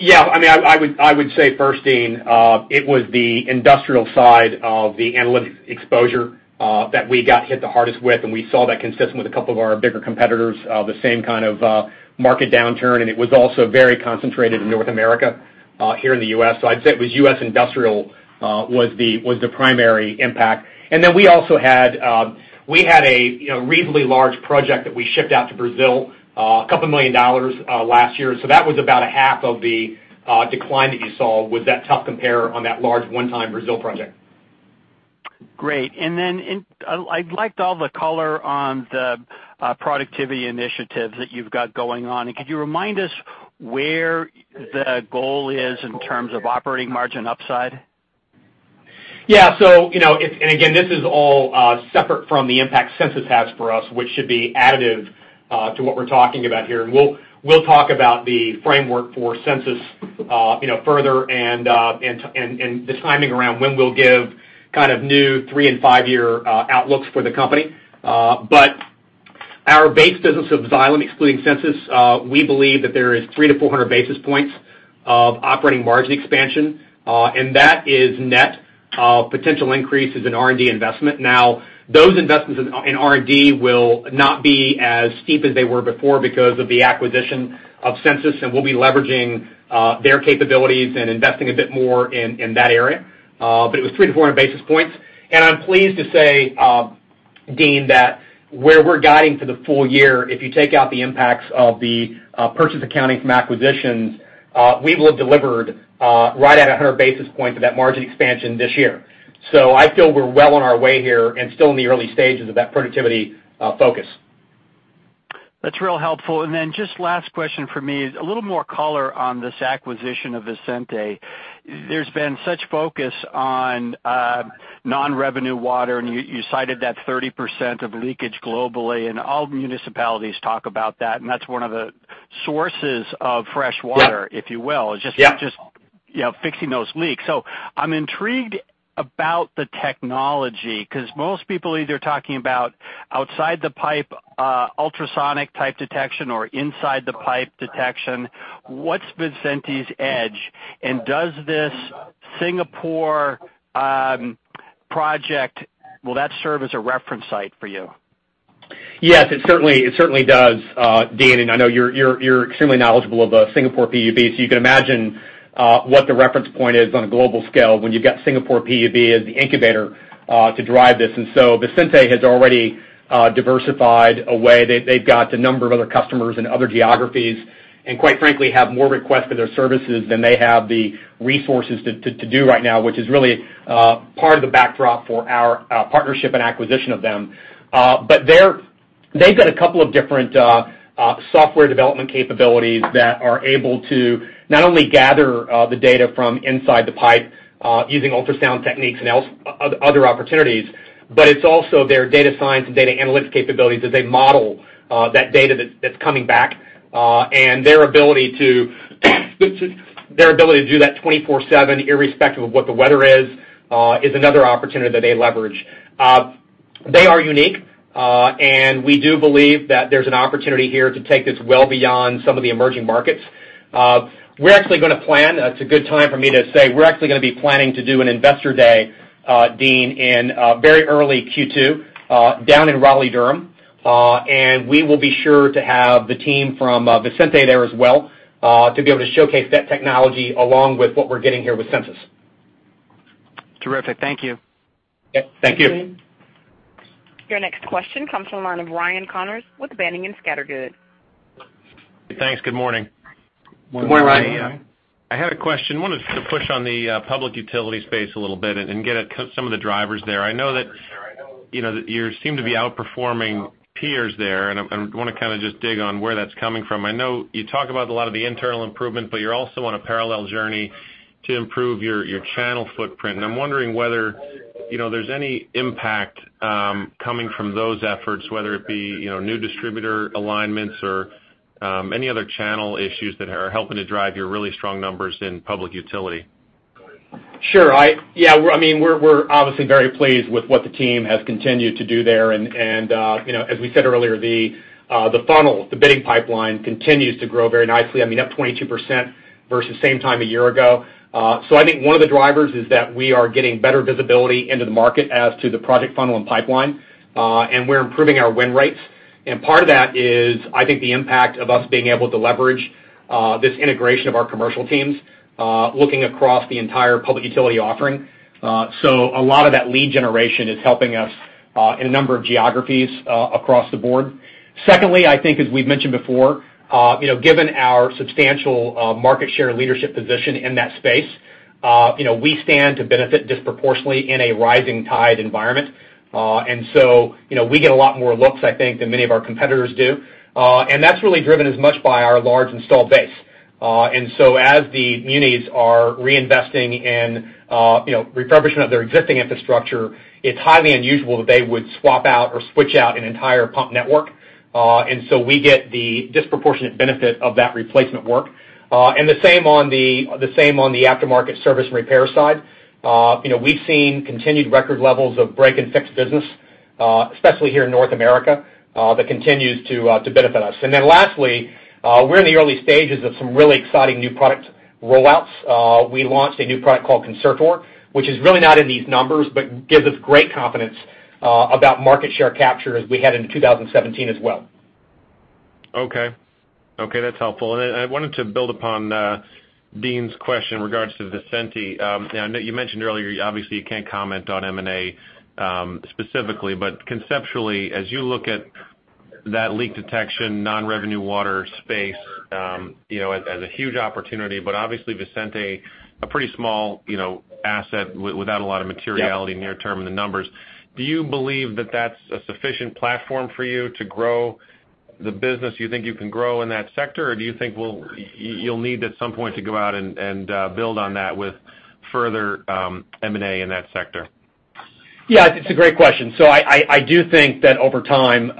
I would say first, Deane, it was the industrial side of the analytics exposure that we got hit the hardest with, we saw that consistent with a couple of our bigger competitors, the same kind of market downturn, it was also very concentrated in North America, here in the U.S. I'd say it was U.S. Industrial was the primary impact. Then we had a reasonably large project that we shipped out to Brazil, $2 million, last year. That was about a half of the decline that you saw with that tough compare on that large one-time Brazil project. Great. Then I liked all the color on the productivity initiatives that you've got going on. Could you remind us where the goal is in terms of operating margin upside? Yeah. Again, this is all separate from the impact Sensus has for us, which should be additive to what we're talking about here. We'll talk about the framework for Sensus further and the timing around when we'll give kind of new three- and five-year outlooks for the company. Our base business of Xylem, excluding Sensus, we believe that there is 300 to 400 basis points of operating margin expansion, and that is net potential increases in R&D investment. Those investments in R&D will not be as steep as they were before because of the acquisition of Sensus, and we'll be leveraging their capabilities and investing a bit more in that area. It was 300 to 400 basis points. I'm pleased to say, Deane, that where we're guiding for the full year, if you take out the impacts of the purchase accounting from acquisitions, we will have delivered right at 100 basis points of that margin expansion this year. I feel we're well on our way here and still in the early stages of that productivity focus. That's real helpful. Just last question for me, a little more color on this acquisition of Visenti. There's been such focus on non-revenue water, and you cited that 30% of leakage globally, and all municipalities talk about that, and that's one of the sources of fresh water- Yeah if you will. Yeah. Just fixing those leaks. I'm intrigued about the technology, because most people either are talking about outside the pipe, ultrasonic-type detection or inside the pipe detection. What's Visenti's edge, and does this Singapore project, will that serve as a reference site for you? Yes, it certainly does, Deane, I know you're extremely knowledgeable of Singapore PUB, you can imagine what the reference point is on a global scale when you've got Singapore PUB as the incubator to drive this. Visenti has already diversified away. They've got a number of other customers in other geographies, and quite frankly, have more requests for their services than they have the resources to do right now, which is really part of the backdrop for our partnership and acquisition of them. They've got a couple of different software development capabilities that are able to not only gather the data from inside the pipe using ultrasound techniques and other opportunities, but it's also their data science and data analytics capabilities as they model that data that's coming back. Their ability to do that 24/7, irrespective of what the weather is another opportunity that they leverage. They are unique, and we do believe that there's an opportunity here to take this well beyond some of the emerging markets. We're actually going to plan. It's a good time for me to say we're actually going to be planning to do an investor day, Deane, in very early Q2 down in Raleigh-Durham, and we will be sure to have the team from Visenti there as well, to be able to showcase that technology along with what we're getting here with Sensus. Terrific. Thank you. Yep. Thank you. Your next question comes from the line of Ryan Connors with Boenning & Scattergood. Thanks. Good morning. Good morning, Ryan. I had a question. Wanted to push on the public utility space a little bit and get at some of the drivers there. I know that you seem to be outperforming peers there. I want to kind of just dig on where that's coming from. I know you talk about a lot of the internal improvement, but you're also on a parallel journey to improve your channel footprint. I'm wondering whether there's any impact coming from those efforts, whether it be new distributor alignments or any other channel issues that are helping to drive your really strong numbers in public utility. Sure. We're obviously very pleased with what the team has continued to do there. As we said earlier, the funnel, the bidding pipeline continues to grow very nicely. Up 22% versus same time a year ago. I think one of the drivers is that we are getting better visibility into the market as to the project funnel and pipeline. We're improving our win rates. Part of that is, I think, the impact of us being able to leverage this integration of our commercial teams, looking across the entire public utility offering. A lot of that lead generation is helping us in a number of geographies across the board. Secondly, I think as we've mentioned before, given our substantial market share leadership position in that space, we stand to benefit disproportionately in a rising tide environment. We get a lot more looks, I think, than many of our competitors do. That's really driven as much by our large installed base. As the munis are reinvesting in refurbishment of their existing infrastructure, it's highly unusual that they would swap out or switch out an entire pump network. We get the disproportionate benefit of that replacement work. The same on the aftermarket service and repair side. We've seen continued record levels of break and fix business, especially here in North America, that continues to benefit us. Lastly, we're in the early stages of some really exciting new product rollouts. We launched a new product called Concertor, which is really not in these numbers, but gives us great confidence about market share capture as we head into 2017 as well. Okay. That's helpful. I wanted to build upon Deane's question in regards to Visenti. I know you mentioned earlier, obviously, you can't comment on M&A specifically. Conceptually, as you look at that leak detection, non-revenue water space, as a huge opportunity, but obviously Visenti, a pretty small asset without a lot of materiality near term in the numbers. Yeah. Do you believe that that's a sufficient platform for you to grow the business? Do you think you can grow in that sector, or do you think you'll need at some point to go out and build on that with further M&A in that sector? Yeah, it's a great question. I do think that over time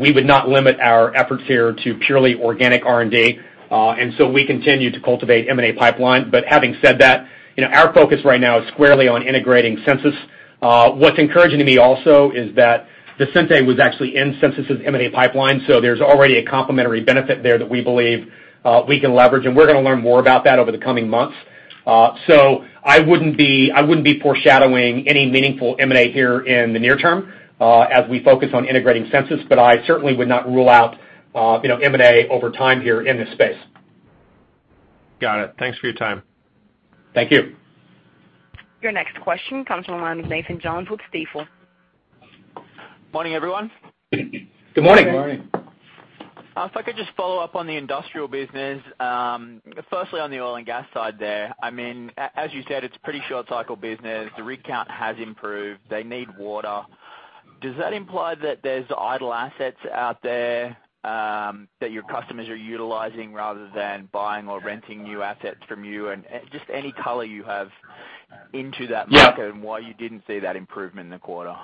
we would not limit our efforts here to purely organic R&D. We continue to cultivate M&A pipeline. Having said that, our focus right now is squarely on integrating Sensus. What's encouraging to me also is that Visenti was actually in Sensus' M&A pipeline, so there's already a complementary benefit there that we believe we can leverage, and we're going to learn more about that over the coming months. I wouldn't be foreshadowing any meaningful M&A here in the near term as we focus on integrating Sensus, but I certainly would not rule out M&A over time here in this space. Got it. Thanks for your time. Thank you. Your next question comes from the line of Nathan Jones with Stifel. Morning, everyone. Good morning. Morning. If I could just follow up on the industrial business. Firstly, on the oil and gas side there. As you said, it is pretty short cycle business. The rig count has improved. They need water. Does that imply that there is idle assets out there that your customers are utilizing rather than buying or renting new assets from you? Just any color you have into that market? Yeah why you didn't see that improvement in the quarter.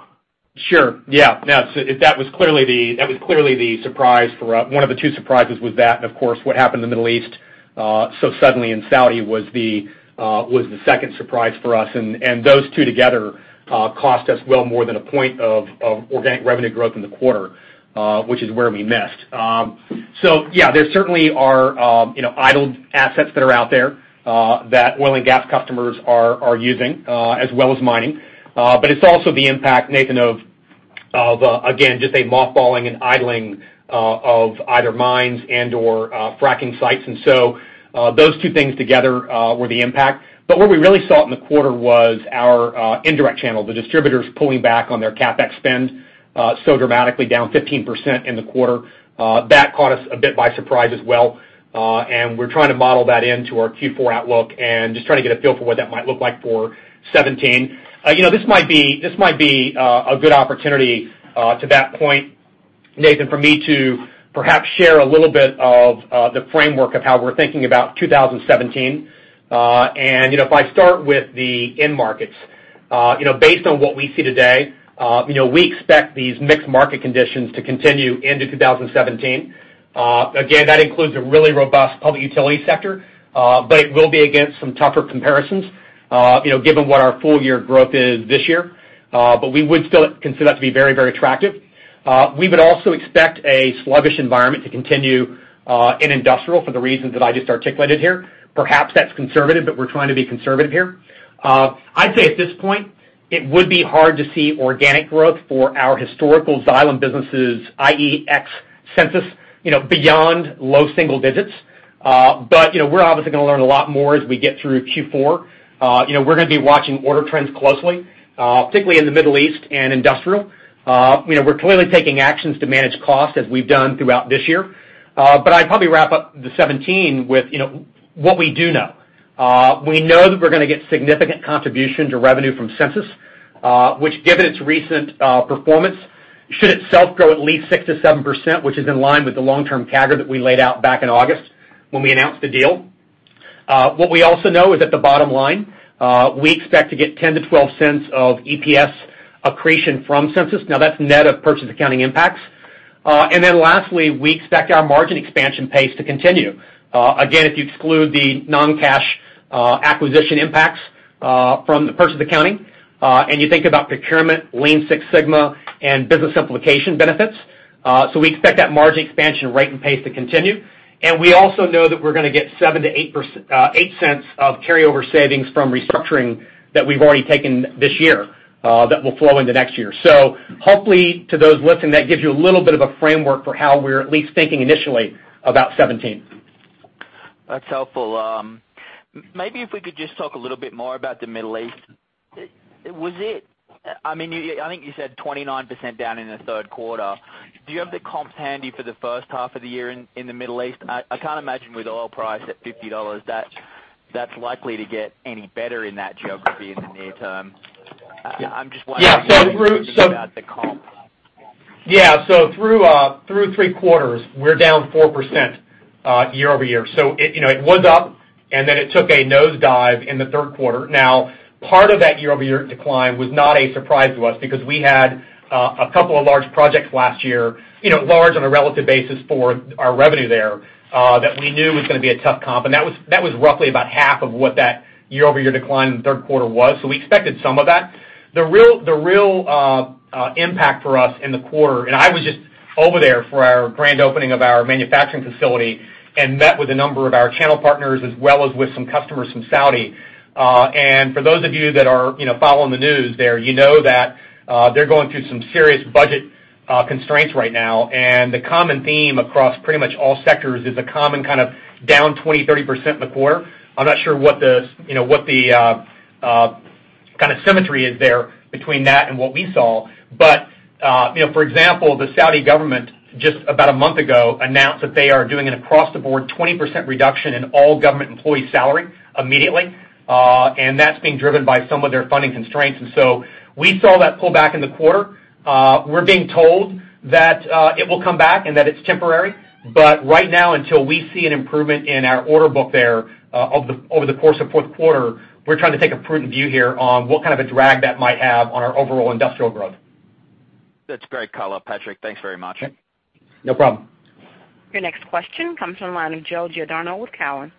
Sure. Yeah. That was clearly one of the two surprises was that, what happened in the Middle East so suddenly in Saudi was the second surprise for us. Those two together cost us well more than a point of organic revenue growth in the quarter, which is where we missed. There certainly are idled assets that are out there that oil and gas customers are using, as well as mining. It's also the impact, Nathan, of, again, just a mothballing and idling of either mines and/or fracking sites. Those two things together were the impact. What we really saw in the quarter was our indirect channel, the distributors pulling back on their CapEx spend so dramatically, down 15% in the quarter. That caught us a bit by surprise as well. We're trying to model that into our Q4 outlook and just trying to get a feel for what that might look like for 2017. This might be a good opportunity to that point, Nathan, for me to perhaps share a little bit of the framework of how we're thinking about 2017. If I start with the end markets. Based on what we see today we expect these mixed market conditions to continue into 2017. Again, that includes a really robust public utility sector, it will be against some tougher comparisons given what our full year growth is this year. We would still consider that to be very attractive. We would also expect a sluggish environment to continue in industrial for the reasons that I just articulated here. Perhaps that's conservative, we're trying to be conservative here. I'd say at this point, it would be hard to see organic growth for our historical Xylem businesses, i.e., ex Sensus, beyond low single digits. We're obviously going to learn a lot more as we get through Q4. We're going to be watching order trends closely, particularly in the Middle East and industrial. We're clearly taking actions to manage costs as we've done throughout this year. I'd probably wrap up the 2017 with what we do know. We know that we're going to get significant contribution to revenue from Sensus, which given its recent performance, should itself grow at least 6% to 7%, which is in line with the long-term CAGR that we laid out back in August when we announced the deal. What we also know is at the bottom line, we expect to get $0.10 to $0.12 of EPS accretion from Sensus. That's net of purchase accounting impacts. Lastly, we expect our margin expansion pace to continue. Again, if you exclude the non-cash acquisition impacts from the purchase accounting, and you think about procurement, Lean Six Sigma, and business simplification benefits. We expect that margin expansion rate and pace to continue. We also know that we're going to get $0.07-$0.08 of carryover savings from restructuring that we've already taken this year that will flow into 2017. Hopefully, to those listening, that gives you a little bit of a framework for how we're at least thinking initially about 2017. That's helpful. Maybe if we could just talk a little bit more about the Middle East. I think you said 29% down in the third quarter. Do you have the comps handy for the first half of the year in the Middle East? I can't imagine with oil price at $50 that that's likely to get any better in that geography in the near term. I'm just wondering- Yeah. about the comps. Yeah. Through three quarters, we're down 4% year-over-year. It was up, and then it took a nosedive in the third quarter. Part of that year-over-year decline was not a surprise to us because we had a couple of large projects last year, large on a relative basis for our revenue there, that we knew was going to be a tough comp. That was roughly about half of what that year-over-year decline in the third quarter was. We expected some of that. The real impact for us in the quarter, I was just over there for our grand opening of our manufacturing facility and met with a number of our channel partners as well as with some customers from Saudi. For those of you that are following the news there, you know that they're going through some serious budget constraints right now. The common theme across pretty much all sectors is a common kind of down 20%, 30% in the quarter. I'm not sure what the kind of symmetry is there between that and what we saw. For example, the Saudi government, just about a month ago, announced that they are doing an across-the-board 20% reduction in all government employee salary immediately. That's being driven by some of their funding constraints. So we saw that pull back in the quarter. We're being told that it will come back and that it's temporary. Right now, until we see an improvement in our order book there over the course of fourth quarter, we're trying to take a prudent view here on what kind of a drag that might have on our overall industrial growth. That's great color, Patrick. Thanks very much. No problem. Your next question comes from the line of Joe Giordano with Cowen.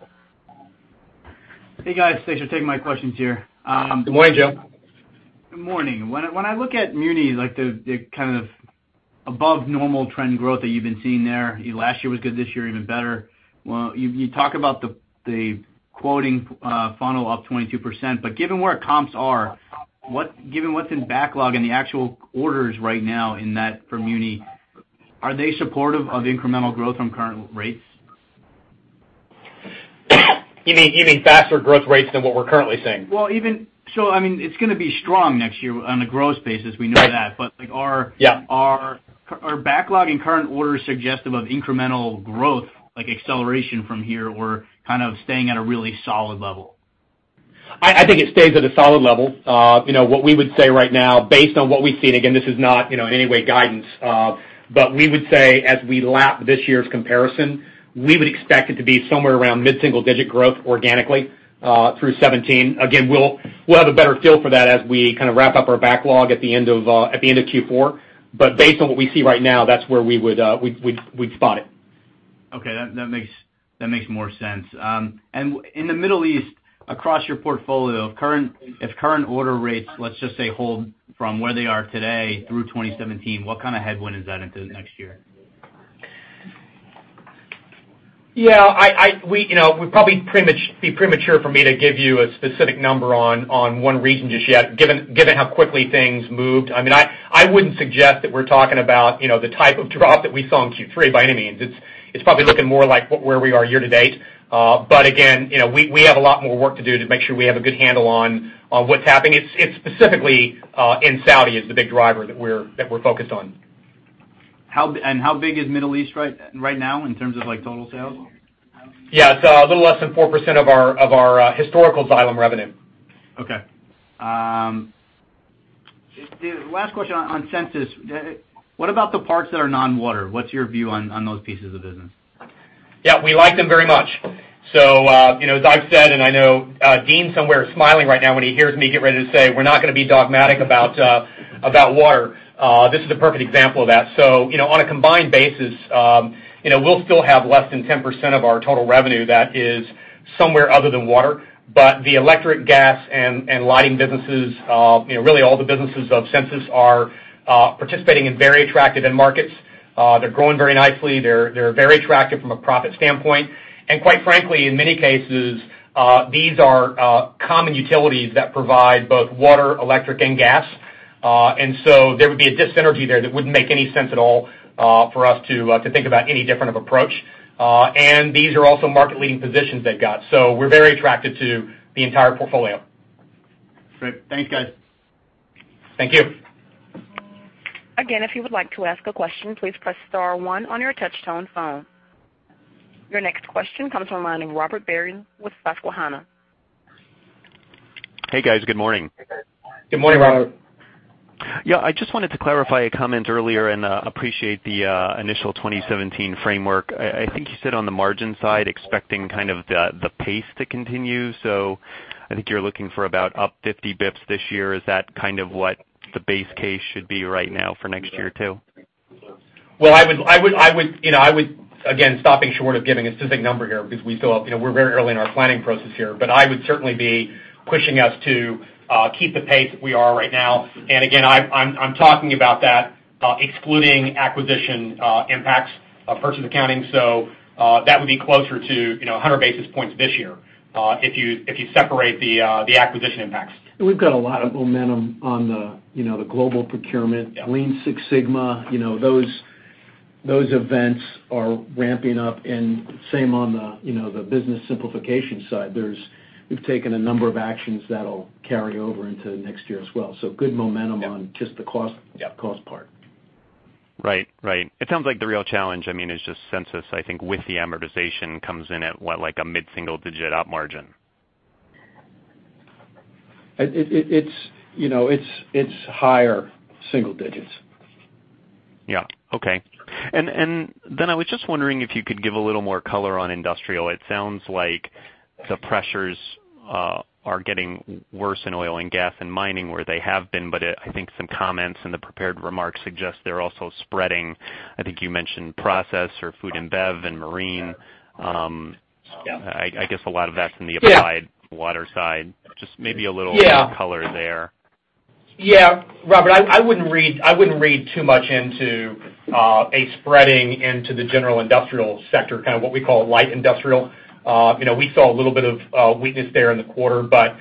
Hey, guys. Thanks for taking my questions here. Good morning, Joe. Good morning. When I look at muni, the kind of above normal trend growth that you've been seeing there, last year was good, this year even better. You talk about the quoting funnel up 22%, but given where comps are, given what's in backlog and the actual orders right now in that for muni, are they supportive of incremental growth from current rates? You mean faster growth rates than what we're currently seeing? It's going to be strong next year on a growth basis, we know that. Right. Yeah. Are backlog and current orders suggestive of incremental growth, like acceleration from here, or kind of staying at a really solid level? I think it stays at a solid level. What we would say right now based on what we've seen, again, this is not in any way guidance. We would say as we lap this year's comparison, we would expect it to be somewhere around mid-single digit growth organically through 2017. Again, we'll have a better feel for that as we kind of wrap up our backlog at the end of Q4. Based on what we see right now, that's where we'd spot it. Okay. That makes more sense. In the Middle East, across your portfolio, if current order rates, let's just say, hold from where they are today through 2017, what kind of headwind is that into next year? It would probably be premature for me to give you a specific number on one region just yet, given how quickly things moved. I wouldn't suggest that we're talking about the type of drop that we saw in Q3 by any means. It's probably looking more like where we are year to date. Again, we have a lot more work to do to make sure we have a good handle on what's happening. It's specifically in Saudi is the big driver that we're focused on. How big is Middle East right now in terms of total sales? It's a little less than 4% of our historical Xylem revenue. Last question on Sensus. What about the parts that are non-water? What's your view on those pieces of business? We like them very much. As I've said, I know Deane somewhere is smiling right now when he hears me get ready to say we're not going to be dogmatic about water. This is a perfect example of that. On a combined basis, we'll still have less than 10% of our total revenue that is somewhere other than water, but the electric, gas, and lighting businesses, really all the businesses of Sensus are participating in very attractive end markets. They're growing very nicely. They're very attractive from a profit standpoint. Quite frankly, in many cases, these are common utilities that provide both water, electric, and gas. There would be a dis-synergy there that wouldn't make any sense at all for us to think about any different of approach. These are also market leading positions they've got. We're very attracted to the entire portfolio. Great. Thanks, guys. Thank you. If you would like to ask a question, please press star one on your touch-tone phone. Your next question comes from the line of Robert Barry with Susquehanna. Hey, guys. Good morning. Good morning, Robert. Yeah, I just wanted to clarify a comment earlier and appreciate the initial 2017 framework. I think you said on the margin side, expecting kind of the pace to continue. I think you're looking for about up 50 basis points this year. Is that kind of what the base case should be right now for next year, too? Well, I would, again, stopping short of giving a specific number here because we're very early in our planning process here, but I would certainly be pushing us to keep the pace that we are right now. Again, I'm talking about that excluding acquisition impacts of purchase accounting. That would be closer to 100 basis points this year if you separate the acquisition impacts. We've got a lot of momentum on the global procurement Lean Six Sigma. Those events are ramping up and same on the business simplification side. We've taken a number of actions that'll carry over into next year as well. Good momentum on just the cost part. Right. It sounds like the real challenge is just Sensus, I think with the amortization comes in at what, like a mid-single digit op margin. It's higher single digits. Yeah. Okay. Then I was just wondering if you could give a little more color on industrial. It sounds like the pressures are getting worse in oil and gas and mining where they have been, but I think some comments in the prepared remarks suggest they're also spreading. I think you mentioned process or food and bev and marine. Yeah. I guess a lot of that's in the Applied Water side. Just maybe a little more color there. Robert, I wouldn't read too much into a spreading into the general industrial sector, kind of what we call light industrial. We saw a little bit of weakness there in the quarter, but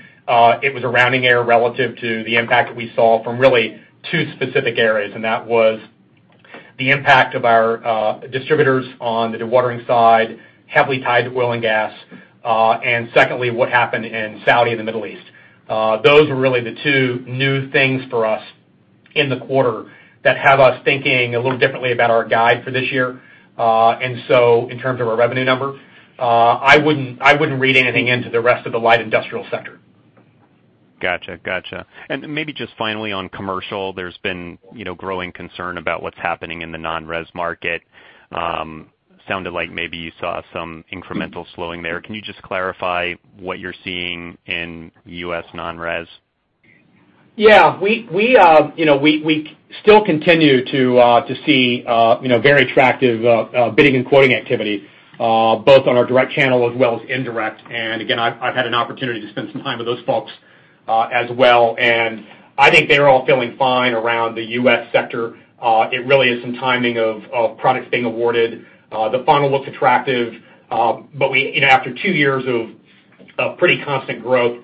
it was a rounding error relative to the impact that we saw from really two specific areas. That was the impact of our distributors on the Dewatering side, heavily tied to oil and gas. Secondly, what happened in Saudi and the Middle East. Those were really the two new things for us in the quarter that have us thinking a little differently about our guide for this year. In terms of our revenue number, I wouldn't read anything into the rest of the light industrial sector. Got you. Maybe just finally on commercial, there's been growing concern about what's happening in the non-res market. Sounded like maybe you saw some incremental slowing there. Can you just clarify what you're seeing in U.S. non-res? We still continue to see very attractive bidding and quoting activity, both on our direct channel as well as indirect. Again, I've had an opportunity to spend some time with those folks as well, and I think they're all feeling fine around the U.S. sector. It really is some timing of products being awarded. The funnel looks attractive. After two years of pretty constant growth,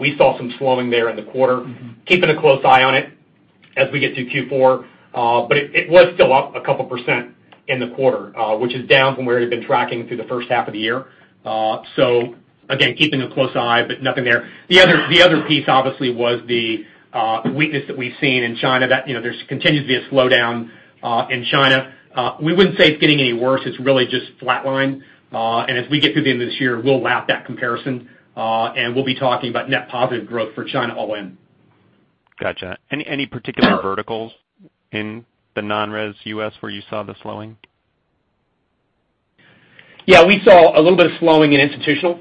we saw some slowing there in the quarter. Keeping a close eye on it as we get to Q4. It was still up a couple of percent in the quarter, which is down from where it had been tracking through the first half of the year. Again, keeping a close eye, but nothing there. The other piece, obviously, was the weakness that we've seen in China. There continues to be a slowdown in China. We wouldn't say it's getting any worse. It's really just flatlined. As we get to the end of this year, we'll lap that comparison, and we'll be talking about net positive growth for China all in. Got you. Any particular verticals in the non-res U.S. where you saw the slowing? Yeah, we saw a little bit of slowing in institutional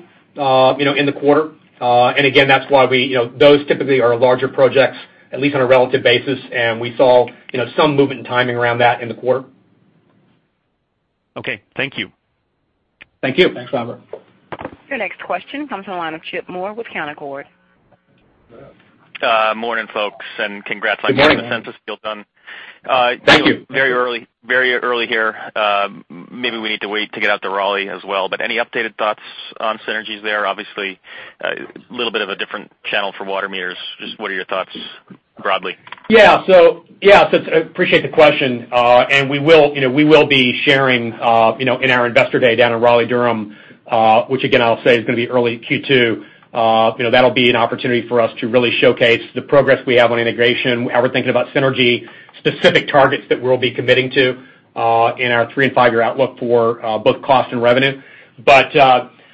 in the quarter. Again, those typically are larger projects, at least on a relative basis, we saw some movement and timing around that in the quarter. Okay, thank you. Thank you. Thanks, Robert. Your next question comes from the line of Chip Moore with Canaccord. Morning, folks, and congrats. Good morning. on getting the Sensus deal done. Thank you. Very early here. Maybe we need to wait to get out to Raleigh as well, any updated thoughts on synergies there? Obviously, a little bit of a different channel for water meters. What are your thoughts broadly? I appreciate the question. We will be sharing in our Investor Day down in Raleigh-Durham, which again, I'll say is going to be early Q2. That'll be an opportunity for us to really showcase the progress we have on integration, how we're thinking about synergy, specific targets that we'll be committing to in our three and five-year outlook for both cost and revenue.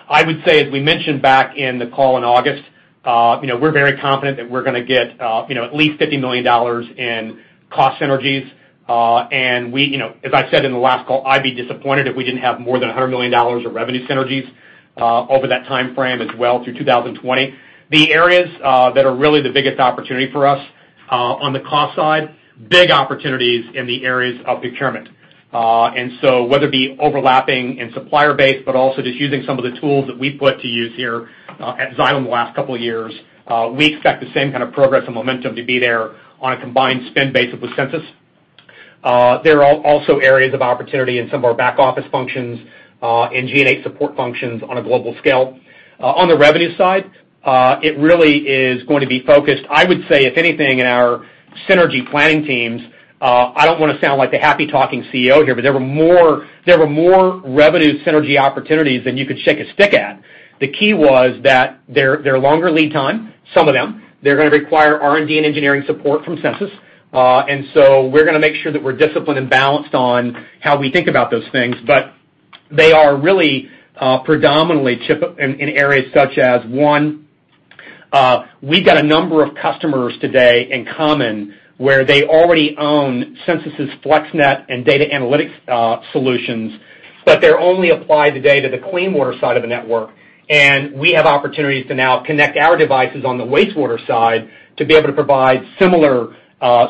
I would say, as we mentioned back in the call in August, we're very confident that we're going to get at least $50 million in cost synergies. As I said in the last call, I'd be disappointed if we didn't have more than $100 million of revenue synergies over that timeframe as well through 2020. The areas that are really the biggest opportunity for us, on the cost side, big opportunities in the areas of procurement. Whether it be overlapping in supplier base, but also just using some of the tools that we've put to use here at Xylem the last couple of years, we expect the same kind of progress and momentum to be there on a combined spend base with Sensus. There are also areas of opportunity in some of our back-office functions, in G&A support functions on a global scale. On the revenue side, it really is going to be focused, I would say, if anything, in our synergy planning teams. I don't want to sound like the happy-talking CEO here, but there were more revenue synergy opportunities than you could shake a stick at. The key was that they're longer lead time, some of them. They're going to require R&D and engineering support from Sensus. We're going to make sure that we're disciplined and balanced on how we think about those things. They are really predominantly, Chip, in areas such as, one, we've got a number of customers today in common where they already own Sensus' FlexNet and data analytics solutions, but they're only applied today to the clean water side of the network. We have opportunities to now connect our devices on the wastewater side to be able to provide similar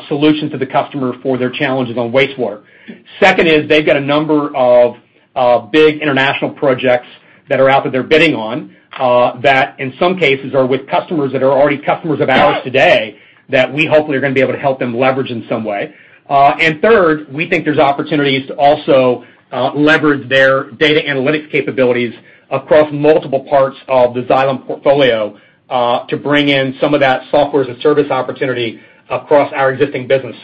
solutions to the customer for their challenges on wastewater. Second is they've got a number of big international projects that are out that they're bidding on, that in some cases are with customers that are already customers of ours today that we hopefully are going to be able to help them leverage in some way. Third, we think there's opportunities to also leverage their data analytics capabilities across multiple parts of the Xylem portfolio to bring in some of that software as a service opportunity across our existing business.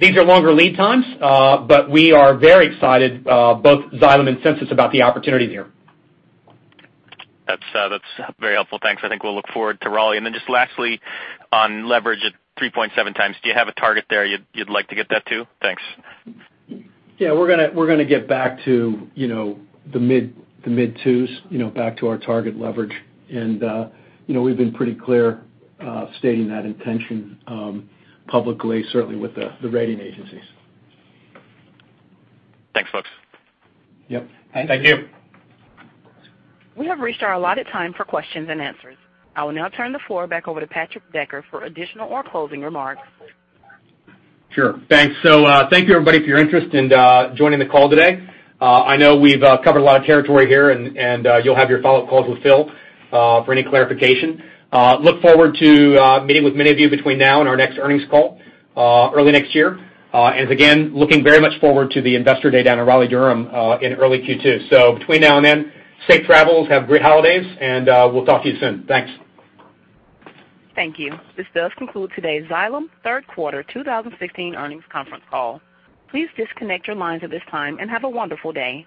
These are longer lead times, but we are very excited, both Xylem and Sensus, about the opportunities here. That's very helpful. Thanks. I think we'll look forward to Raleigh. Just lastly, on leverage at 3.7 times, do you have a target there you'd like to get that to? Thanks. Yeah, we're going to get back to the mid twos, back to our target leverage. We've been pretty clear stating that intention publicly, certainly with the rating agencies. Thanks, folks. Yep. Thank you. We have reached our allotted time for questions and answers. I will now turn the floor back over to Patrick Decker for additional or closing remarks. Sure. Thanks. Thank you, everybody, for your interest and joining the call today. I know we've covered a lot of territory here, and you'll have your follow-up calls with Phil for any clarification. Look forward to meeting with many of you between now and our next earnings call early next year. Again, looking very much forward to the Investor Day down in Raleigh-Durham in early Q2. Between now and then, safe travels, have great holidays, and we'll talk to you soon. Thanks. Thank you. This does conclude today's Xylem Third Quarter 2016 earnings conference call. Please disconnect your lines at this time, and have a wonderful day.